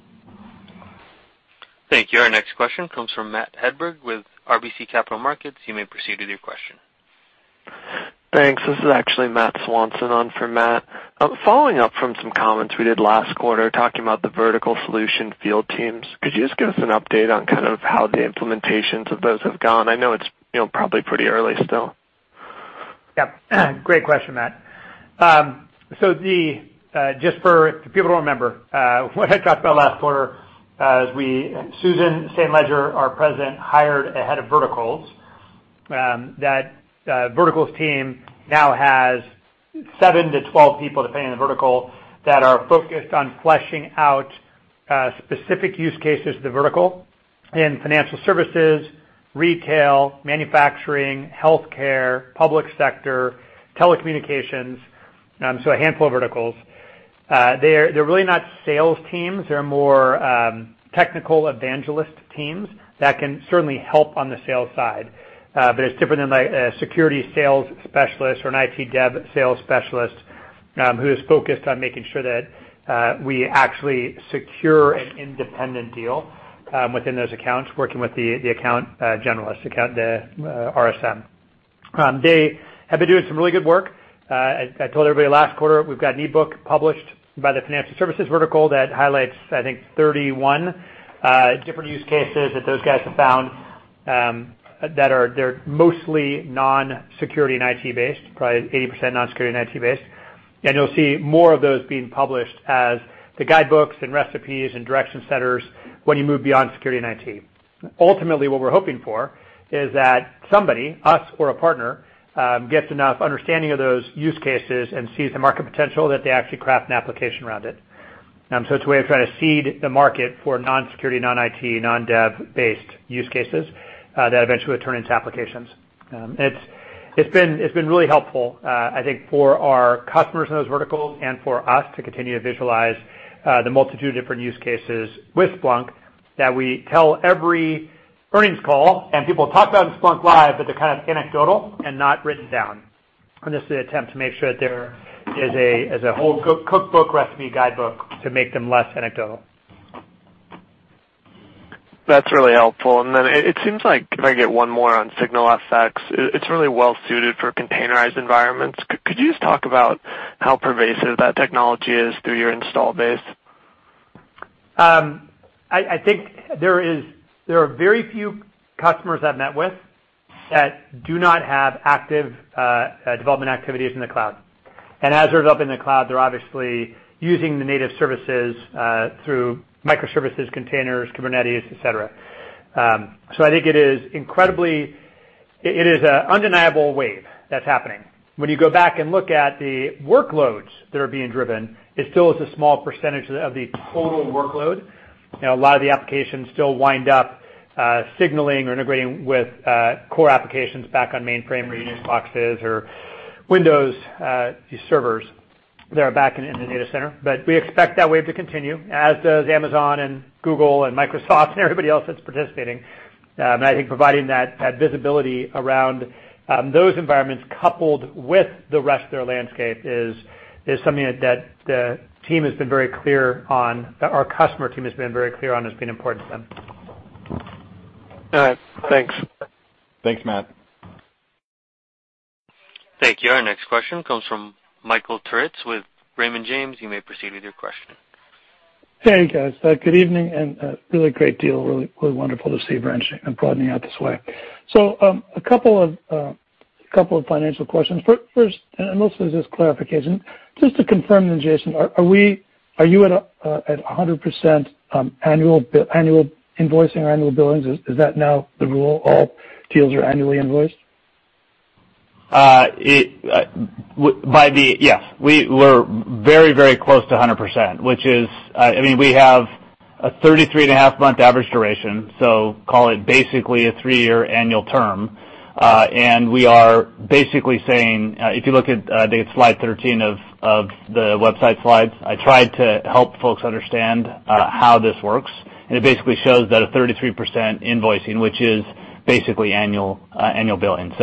Thank you. Our next question comes from Matt Hedberg with RBC Capital Markets. You may proceed with your question. Thanks. This is actually Matthew Swanson on for Matt Hedberg. Following up from some comments we did last quarter talking about the vertical solution field teams, could you just give us an update on kind of how the implementations of those have gone? I know it's probably pretty early still. Yeah. Great question, Matt. Just for people to remember, what I talked about last quarter, as Susan St. Ledger, our president, hired a head of verticals. That verticals team now has seven to 12 people, depending on the vertical, that are focused on fleshing out specific use cases to the vertical in financial services, retail, manufacturing, healthcare, public sector, telecommunications, a handful of verticals. They're really not sales teams. They're more technical evangelist teams that can certainly help on the sales side. It's different than a security sales specialist or an IT dev sales specialist who is focused on making sure that we actually secure an independent deal within those accounts, working with the account generalist, the RSM. They have been doing some really good work. I told everybody last quarter, we've got an e-book published by the financial services vertical that highlights, I think, 31 different use cases that those guys have found that are mostly non-security and IT based, probably 80% non-security and IT based. You'll see more of those being published as the guidebooks and recipes and direction setters when you move beyond security and IT. Ultimately, what we're hoping for is that somebody, us or a partner, gets enough understanding of those use cases and sees the market potential that they actually craft an application around it. It's a way of trying to seed the market for non-security, non-IT, non-dev-based use cases that eventually turn into applications. It's been really helpful, I think, for our customers in those verticals and for us to continue to visualize the multitude of different use cases with Splunk that we tell every earnings call and people talk about in Splunk Live, but they're kind of anecdotal and not written down. This is an attempt to make sure that there is a whole cookbook, recipe guidebook to make them less anecdotal. That's really helpful. Then it seems like, if I get one more on SignalFx, it's really well suited for containerized environments. Could you just talk about how pervasive that technology is through your install base? I think there are very few customers I've met with that do not have active development activities in the cloud. As they're developing the cloud, they're obviously using the native services through microservices, containers, Kubernetes, et cetera. I think it is an undeniable wave that's happening. When you go back and look at the workloads that are being driven, it still is a small percentage of the total workload. A lot of the applications still wind up signaling or integrating with core applications back on mainframe or Unix boxes or Windows servers that are back in the data center. We expect that wave to continue, as does Amazon and Google and Microsoft and everybody else that's participating. I think providing that visibility around those environments coupled with the rest of their landscape is something that the team has been very clear on, that our customer team has been very clear on, has been important to them. All right. Thanks. Thanks, Matt. Thank you. Our next question comes from Michael Turits with Raymond James. You may proceed with your question. Hey, guys. Good evening. A really great deal, really wonderful to see you branching and broadening out this way. A couple of financial questions. First, mostly just clarification, just to confirm, Jason, are you at 100% annual invoicing or annual billings? Is that now the rule, all deals are annually invoiced? Yes. We're very close to 100%, which is, we have a 33.5 month average duration, so call it basically a 3-year annual term. We are basically saying, if you look at, I think it's slide 13 of the website slides, I tried to help folks understand how this works. It basically shows that a 33% invoicing, which is basically annual billing.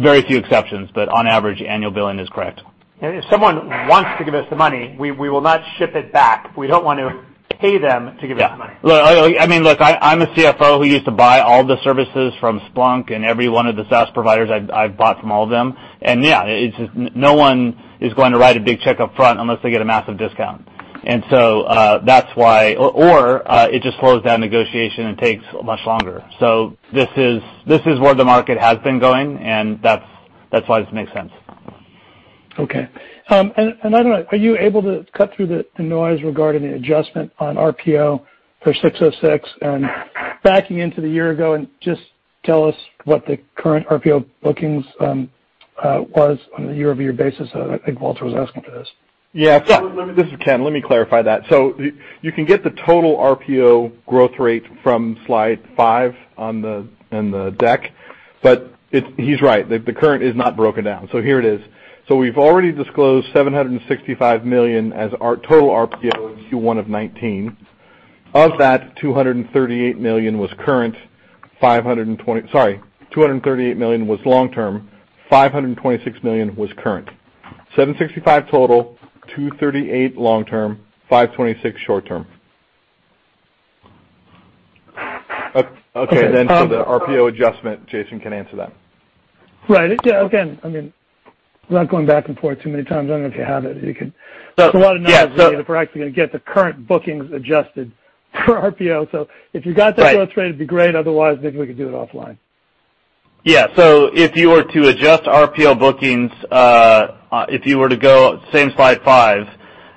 Very few exceptions, but on average, annual billing is correct. If someone wants to give us the money, we will not ship it back. We don't want to pay them to give us the money. Yeah. Look, I'm a CFO who used to buy all the services from Splunk and every one of the SaaS providers, I've bought from all of them. Yeah, no one is going to write a big check up front unless they get a massive discount. It just slows down negotiation and takes much longer. This is where the market has been going, and that's why this makes sense. Okay. Another one, are you able to cut through the noise regarding the adjustment on RPO for 606 and backing into the year ago and just tell us what the current RPO bookings was on a year-over-year basis? I think Walter was asking for this. Yeah. This is Ken. Let me clarify that. You can get the total RPO growth rate from slide five in the deck. He's right, the current is not broken down. Here it is. We've already disclosed $765 million as our total RPO as Q1 of 2019. Of that, $238 million was long-term, $526 million was current. $765 total, $238 long-term, $526 short-term. Okay. For the RPO adjustment, Jason can answer that. Right. Yeah. Again, I mean, not going back and forth too many times. I don't know if you have it. Yeah. There's a lot of noise if we're actually going to get the current bookings adjusted for RPO. If you got that growth rate, it'd be great. Otherwise, maybe we could do it offline. Yeah. If you were to adjust RPO bookings, if you were to go, same slide five,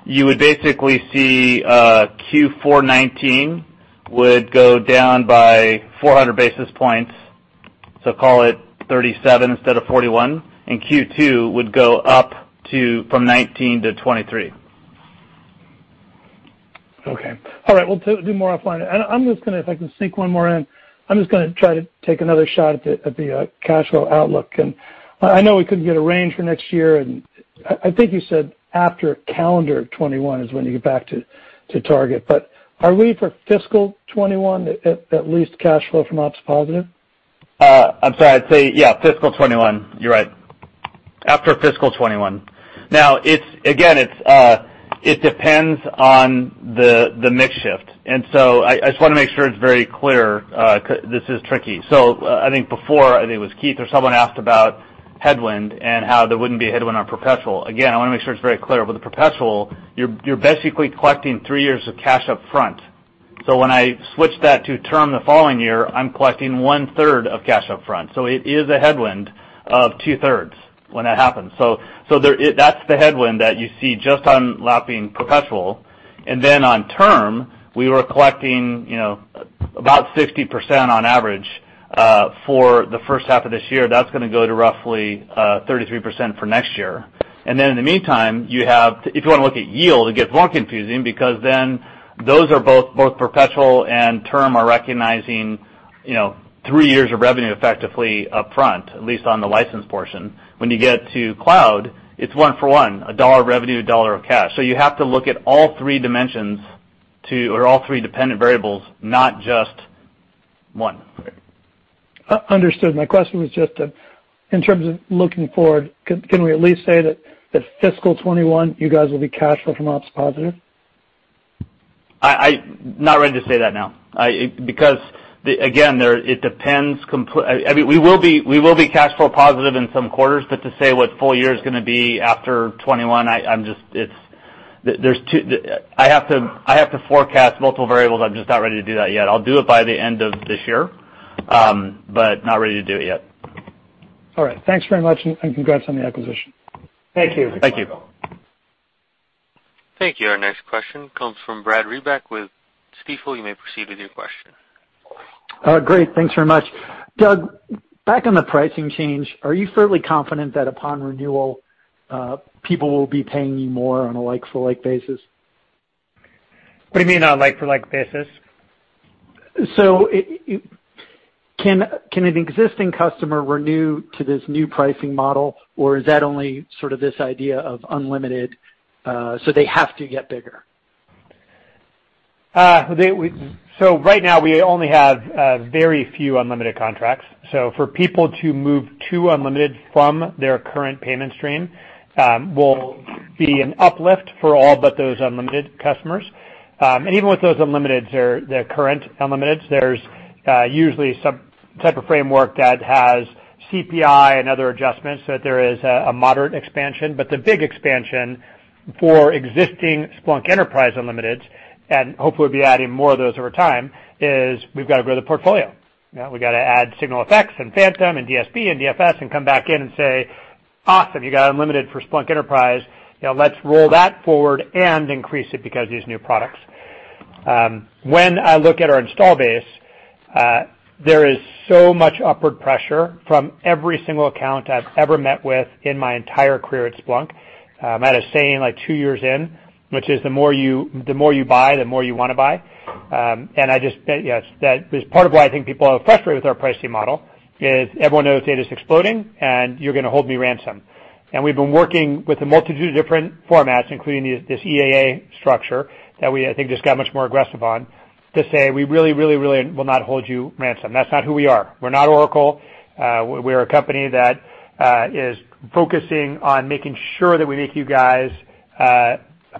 you would basically see Q4 2019 would go down by 400 basis points. Call it 37 instead of 41, and Q2 would go up from 19 to 23. Okay. All right. We'll do more offline. If I can sneak one more in, I'm just going to try to take another shot at the cash flow outlook. I know we couldn't get a range for next year, I think you said after calendar 2021 is when you get back to target. Are we for fiscal 2021, at least cash flow from ops positive? I'm sorry, I'd say, yeah, fiscal 2021, you're right. After fiscal 2021. Again, it depends on the mix shift. I just want to make sure it's very clear, this is tricky. I think before, I think it was Keith or someone asked about headwind and how there wouldn't be a headwind on perpetual. Again, I want to make sure it's very clear. With the perpetual, you're basically collecting three years of cash up front. When I switch that to term the following year, I'm collecting one-third of cash up front. It is a headwind of two-thirds when that happens. That's the headwind that you see just on lapping perpetual. On term, we were collecting about 60% on average for the first half of this year. That's going to go to roughly 33% for next year. Then in the meantime, if you want to look at yield, it gets more confusing because then those are both perpetual and term are recognizing three years of revenue effectively up front, at least on the license portion. When you get to cloud, it's one for one, a dollar of revenue, a dollar of cash. You have to look at all three dimensions to, or all three dependent variables, not just one. Understood. My question was just in terms of looking forward, can we at least say that fiscal 2021, you guys will be cash flow from ops positive? I'm not ready to say that now. Again, it depends completely. I mean, we will be cash flow positive in some quarters, but to say what full year is going to be after 2021, I have to forecast multiple variables. I'm just not ready to do that yet. I'll do it by the end of this year, but not ready to do it yet. All right. Thanks very much and congrats on the acquisition. Thank you. Thank you. Our next question comes from Brad Reback with Stifel. You may proceed with your question. Great. Thanks very much. Doug, back on the pricing change, are you fairly confident that upon renewal, people will be paying you more on a like-for-like basis? What do you mean on a like-for-like basis? Can an existing customer renew to this new pricing model? Is that only sort of this idea of unlimited, so they have to get bigger? Right now we only have very few unlimited contracts. For people to move to unlimited from their current payment stream, will be an uplift for all but those unlimited customers. Even with those unlimited, the current unlimiteds, there's usually some type of framework that has CPI and other adjustments, so there is a moderate expansion. The big expansion for existing Splunk Enterprise unlimiteds, and hopefully we'll be adding more of those over time, is we've got to grow the portfolio. We've got to add SignalFx and Phantom and DSP and DFS and come back in and say, "Awesome, you got unlimited for Splunk Enterprise." Let's roll that forward and increase it because of these new products. When I look at our install base, there is so much upward pressure from every single account I've ever met with in my entire career at Splunk. I might have said like two years in, which is the more you buy, the more you want to buy. I just, yes, that is part of why I think people are frustrated with our pricing model is everyone knows data's exploding and you're going to hold me ransom. We've been working with a multitude of different formats, including this EAA structure that we, I think, just got much more aggressive on to say, we really will not hold you ransom. That's not who we are. We're not Oracle. We're a company that is focusing on making sure that we make you guys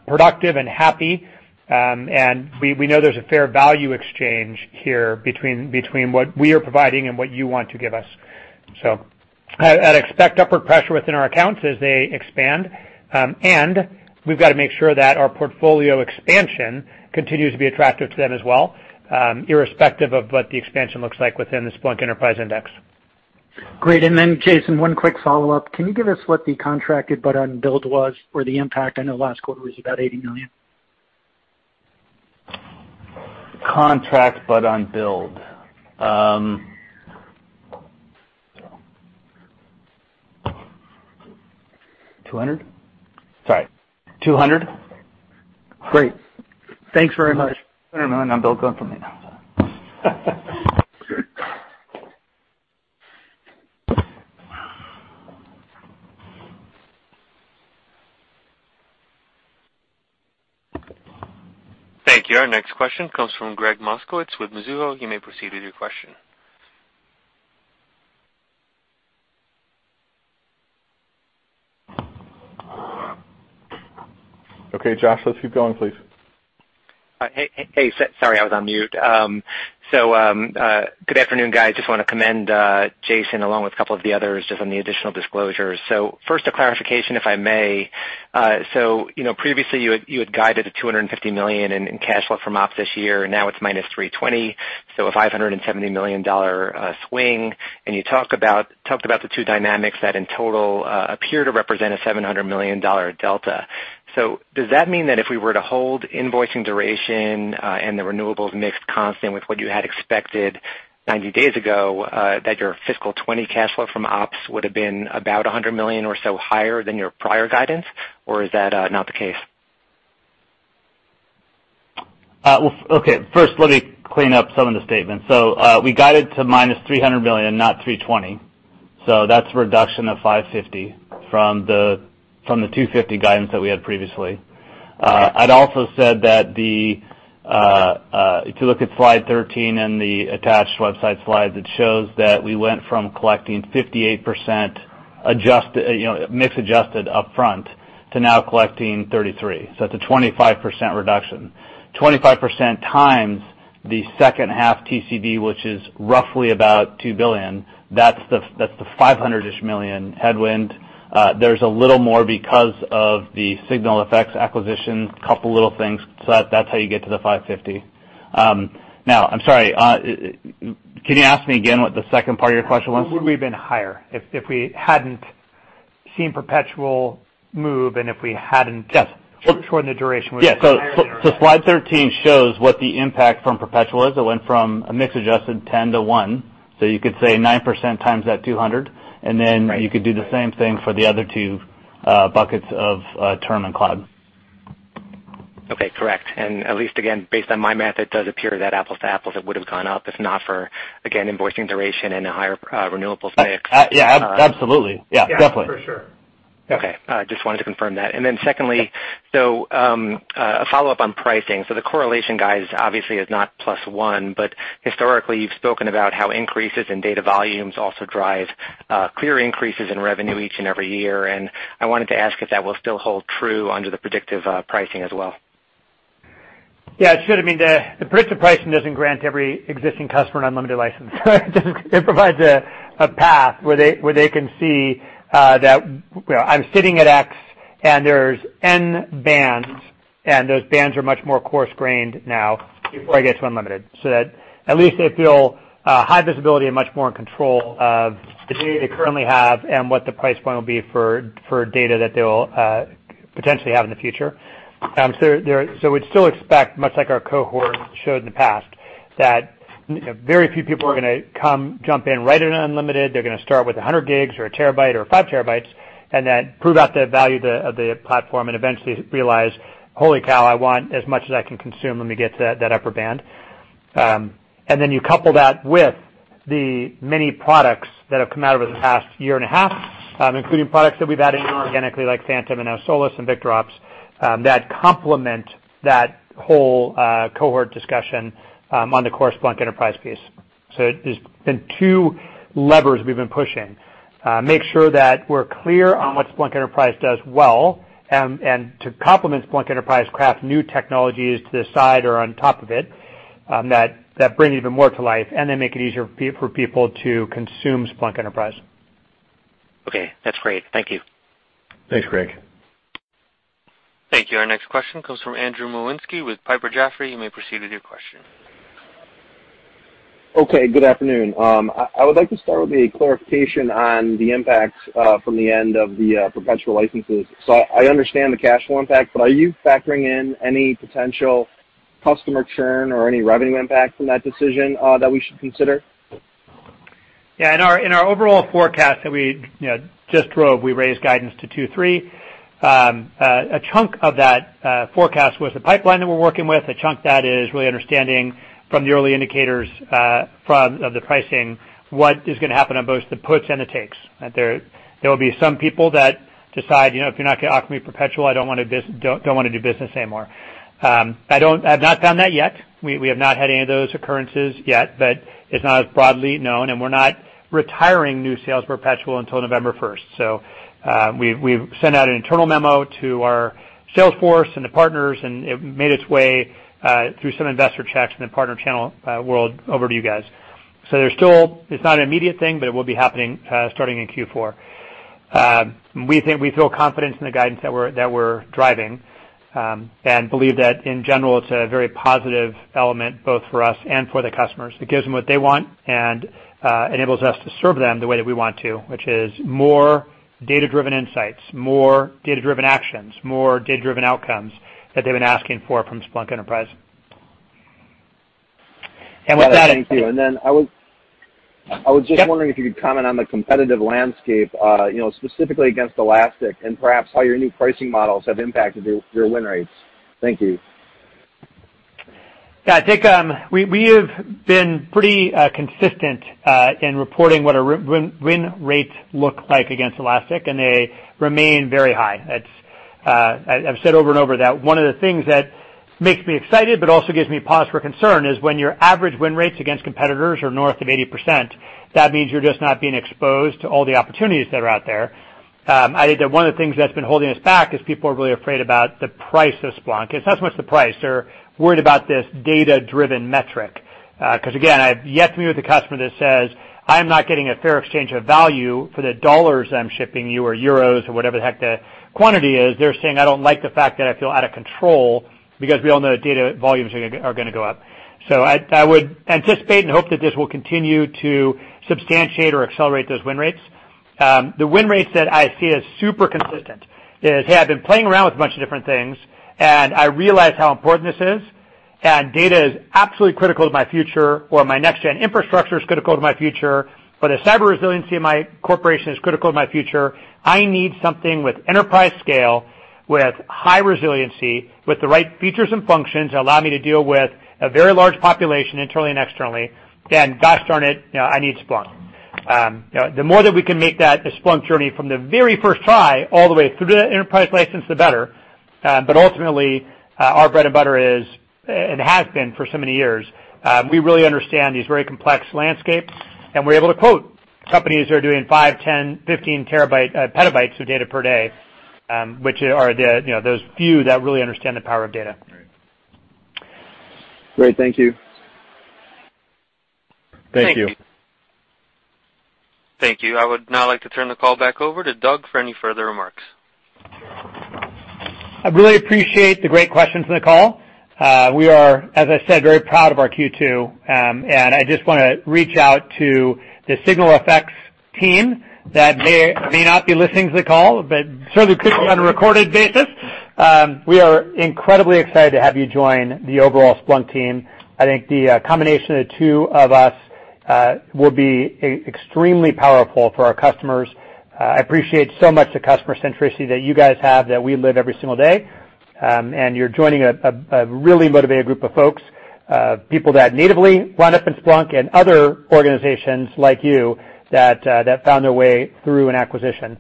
productive and happy, and we know there's a fair value exchange here between what we are providing and what you want to give us. I'd expect upward pressure within our accounts as they expand. We've got to make sure that our portfolio expansion continues to be attractive to them as well, irrespective of what the expansion looks like within the Splunk Enterprise Index. Great. Then Jason, one quick follow-up. Can you give us what the contracted but unbilled was for the impact? I know last quarter was about $80 million. Contract but unbilled. $200. Sorry, $200. Great. Thanks very much. $200 million unbilled confirmed. Thank you. Our next question comes from Gregg Moskowitz with Mizuho. You may proceed with your question. Okay, Josh, let's keep going, please. Hey. Sorry, I was on mute. Good afternoon, guys. Just want to commend Jason along with a couple of the others just on the additional disclosures. First a clarification, if I may. Previously you had guided a $250 million in cash flow from ops this year, and now it's -$320 million, so a $570 million swing. You talked about the two dynamics that in total appear to represent a $700 million delta. Does that mean that if we were to hold invoicing duration, and the renewables mixed constant with what you had expected 90 days ago that your fiscal 2020 cash flow from ops would have been about $100 million or so higher than your prior guidance, or is that not the case? Well, okay, first let me clean up some of the statements. We guided to -$300 million, not $320. That's a reduction of $550 from the $250 guidance that we had previously. I'd also said that if you look at slide 13 in the attached website slides, it shows that we went from collecting 58% mix adjusted upfront to now collecting 33%. That's a 25% reduction. 25% times the second half TCV, which is roughly about $2 billion. That's the $500-ish million headwind. There's a little more because of the SignalFx acquisition, couple of little things. That's how you get to the $550. I'm sorry, can you ask me again what the second part of your question was? Would we have been higher if we hadn't seen perpetual move? Yes shortened the duration would it be higher than that? Yeah. Slide 13 shows what the impact from perpetual is. It went from a mix adjusted 10 to one. You could say 9% times that $200, and then you could do the same thing for the other two buckets of term and cloud. Okay. Correct. At least again, based on my math, it does appear that apples to apples, it would have gone up if not for, again, invoicing duration and a higher renewables mix. Yeah, absolutely. Yeah, definitely. Yeah, for sure. Okay. Just wanted to confirm that. Secondly, a follow-up on pricing. The correlation guys obviously is not plus one, but historically you've spoken about how increases in data volumes also drive clear increases in revenue each and every year, and I wanted to ask if that will still hold true under the predictive pricing as well. Yeah, it should. I mean, the predictive pricing doesn't grant every existing customer an unlimited license. It provides a path where they can see that I'm sitting at X and there's N bands, and those bands are much more coarse-grained now before I get to unlimited, so that at least they feel high visibility and much more in control of the data they currently have and what the price point will be for data that they will potentially have in the future. We'd still expect much like our cohort showed in the past, that very few people are going to come jump in right at unlimited. They're going to start with 100 gigs or a terabyte or five terabytes, and then prove out the value of the platform and eventually realize, holy cow, I want as much as I can consume. Let me get to that upper band. Then you couple that with the many products that have come out over the past year and a half, including products that we've added in organically like Phantom and now SignalFx and VictorOps that complement that whole cohort discussion on the core Splunk Enterprise piece. There's been two levers we've been pushing. Make sure that we're clear on what Splunk Enterprise does well, and to complement Splunk Enterprise craft new technologies to the side or on top of it that bring even more to life, and then make it easier for people to consume Splunk Enterprise. Okay, that's great. Thank you. Thanks, Gregg. Thank you. Our next question comes from Andrew Nowinski with Piper Sandler. You may proceed with your question. Okay. Good afternoon. I would like to start with a clarification on the impact from the end of the perpetual licenses. I understand the cash flow impact, but are you factoring in any potential customer churn or any revenue impact from that decision that we should consider? Yeah. In our overall forecast that we just drove, we raised guidance to $2.3. A chunk of that forecast was the pipeline that we're working with, a chunk that is really understanding from the early indicators of the pricing, what is going to happen on both the puts and the takes. There will be some people that decide, if you're not going to offer me perpetual, I don't want to do business anymore. I have not found that yet. We have not had any of those occurrences yet, but it's not as broadly known, and we're not retiring new sales perpetual until November 1st. We've sent out an internal memo to our sales force and the partners, and it made its way through some investor checks in the partner channel world over to you guys. It's not an immediate thing, but it will be happening starting in Q4. We feel confidence in the guidance that we're driving, and believe that in general, it's a very positive element both for us and for the customers. It gives them what they want and enables us to serve them the way that we want to, which is more data-driven insights, more data-driven actions, more data-driven outcomes that they've been asking for from Splunk Enterprise. Thank you. I was just wondering if you could comment on the competitive landscape, specifically against Elastic and perhaps how your new pricing models have impacted your win rates. Thank you. Yeah. I think we have been pretty consistent in reporting what our win rates look like against Elastic, and they remain very high. I've said over and over that one of the things that makes me excited but also gives me pause for concern is when your average win rates against competitors are north of 80%, that means you're just not being exposed to all the opportunities that are out there. I think that one of the things that's been holding us back is people are really afraid about the price of Splunk. It's not so much the price. They're worried about this data-driven metric. Again, I have yet to meet with a customer that says, "I'm not getting a fair exchange of value for the dollars I'm shipping you," or euros or whatever the heck the quantity is. They're saying, "I don't like the fact that I feel out of control," because we all know data volumes are going to go up. I would anticipate and hope that this will continue to substantiate or accelerate those win rates. The win rates that I see as super consistent is, "Hey, I've been playing around with a bunch of different things, and I realize how important this is, and data is absolutely critical to my future, or my next-gen infrastructure is critical to my future. As cyber resiliency in my corporation is critical to my future, I need something with enterprise scale, with high resiliency, with the right features and functions that allow me to deal with a very large population internally and externally. Gosh darn it, I need Splunk." The more that we can make that a Splunk journey from the very first try all the way through the enterprise license, the better. Ultimately, our bread and butter is, and has been for so many years, we really understand these very complex landscapes, and we're able to quote companies that are doing five, 10, 15 petabytes of data per day, which are those few that really understand the power of data. Right. Thank you. Thank you. Thank you. I would now like to turn the call back over to Doug for any further remarks. I really appreciate the great questions on the call. We are, as I said, very proud of our Q2. I just want to reach out to the SignalFx team that may not be listening to the call, but certainly could be on a recorded basis. We are incredibly excited to have you join the overall Splunk team. I think the combination of the two of us will be extremely powerful for our customers. I appreciate so much the customer centricity that you guys have that we live every single day. You're joining a really motivated group of folks, people that natively wound up in Splunk and other organizations like you that found their way through an acquisition.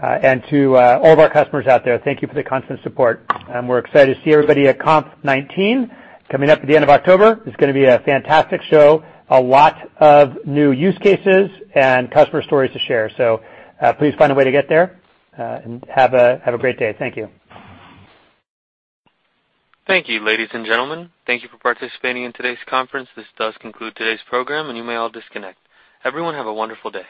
To all of our customers out there, thank you for the constant support, and we're excited to see everybody at .conf19 coming up at the end of October. It's going to be a fantastic show. A lot of new use cases and customer stories to share. Please find a way to get there. Have a great day. Thank you. Thank you, ladies and gentlemen. Thank you for participating in today's conference. This does conclude today's program, and you may all disconnect. Everyone have a wonderful day.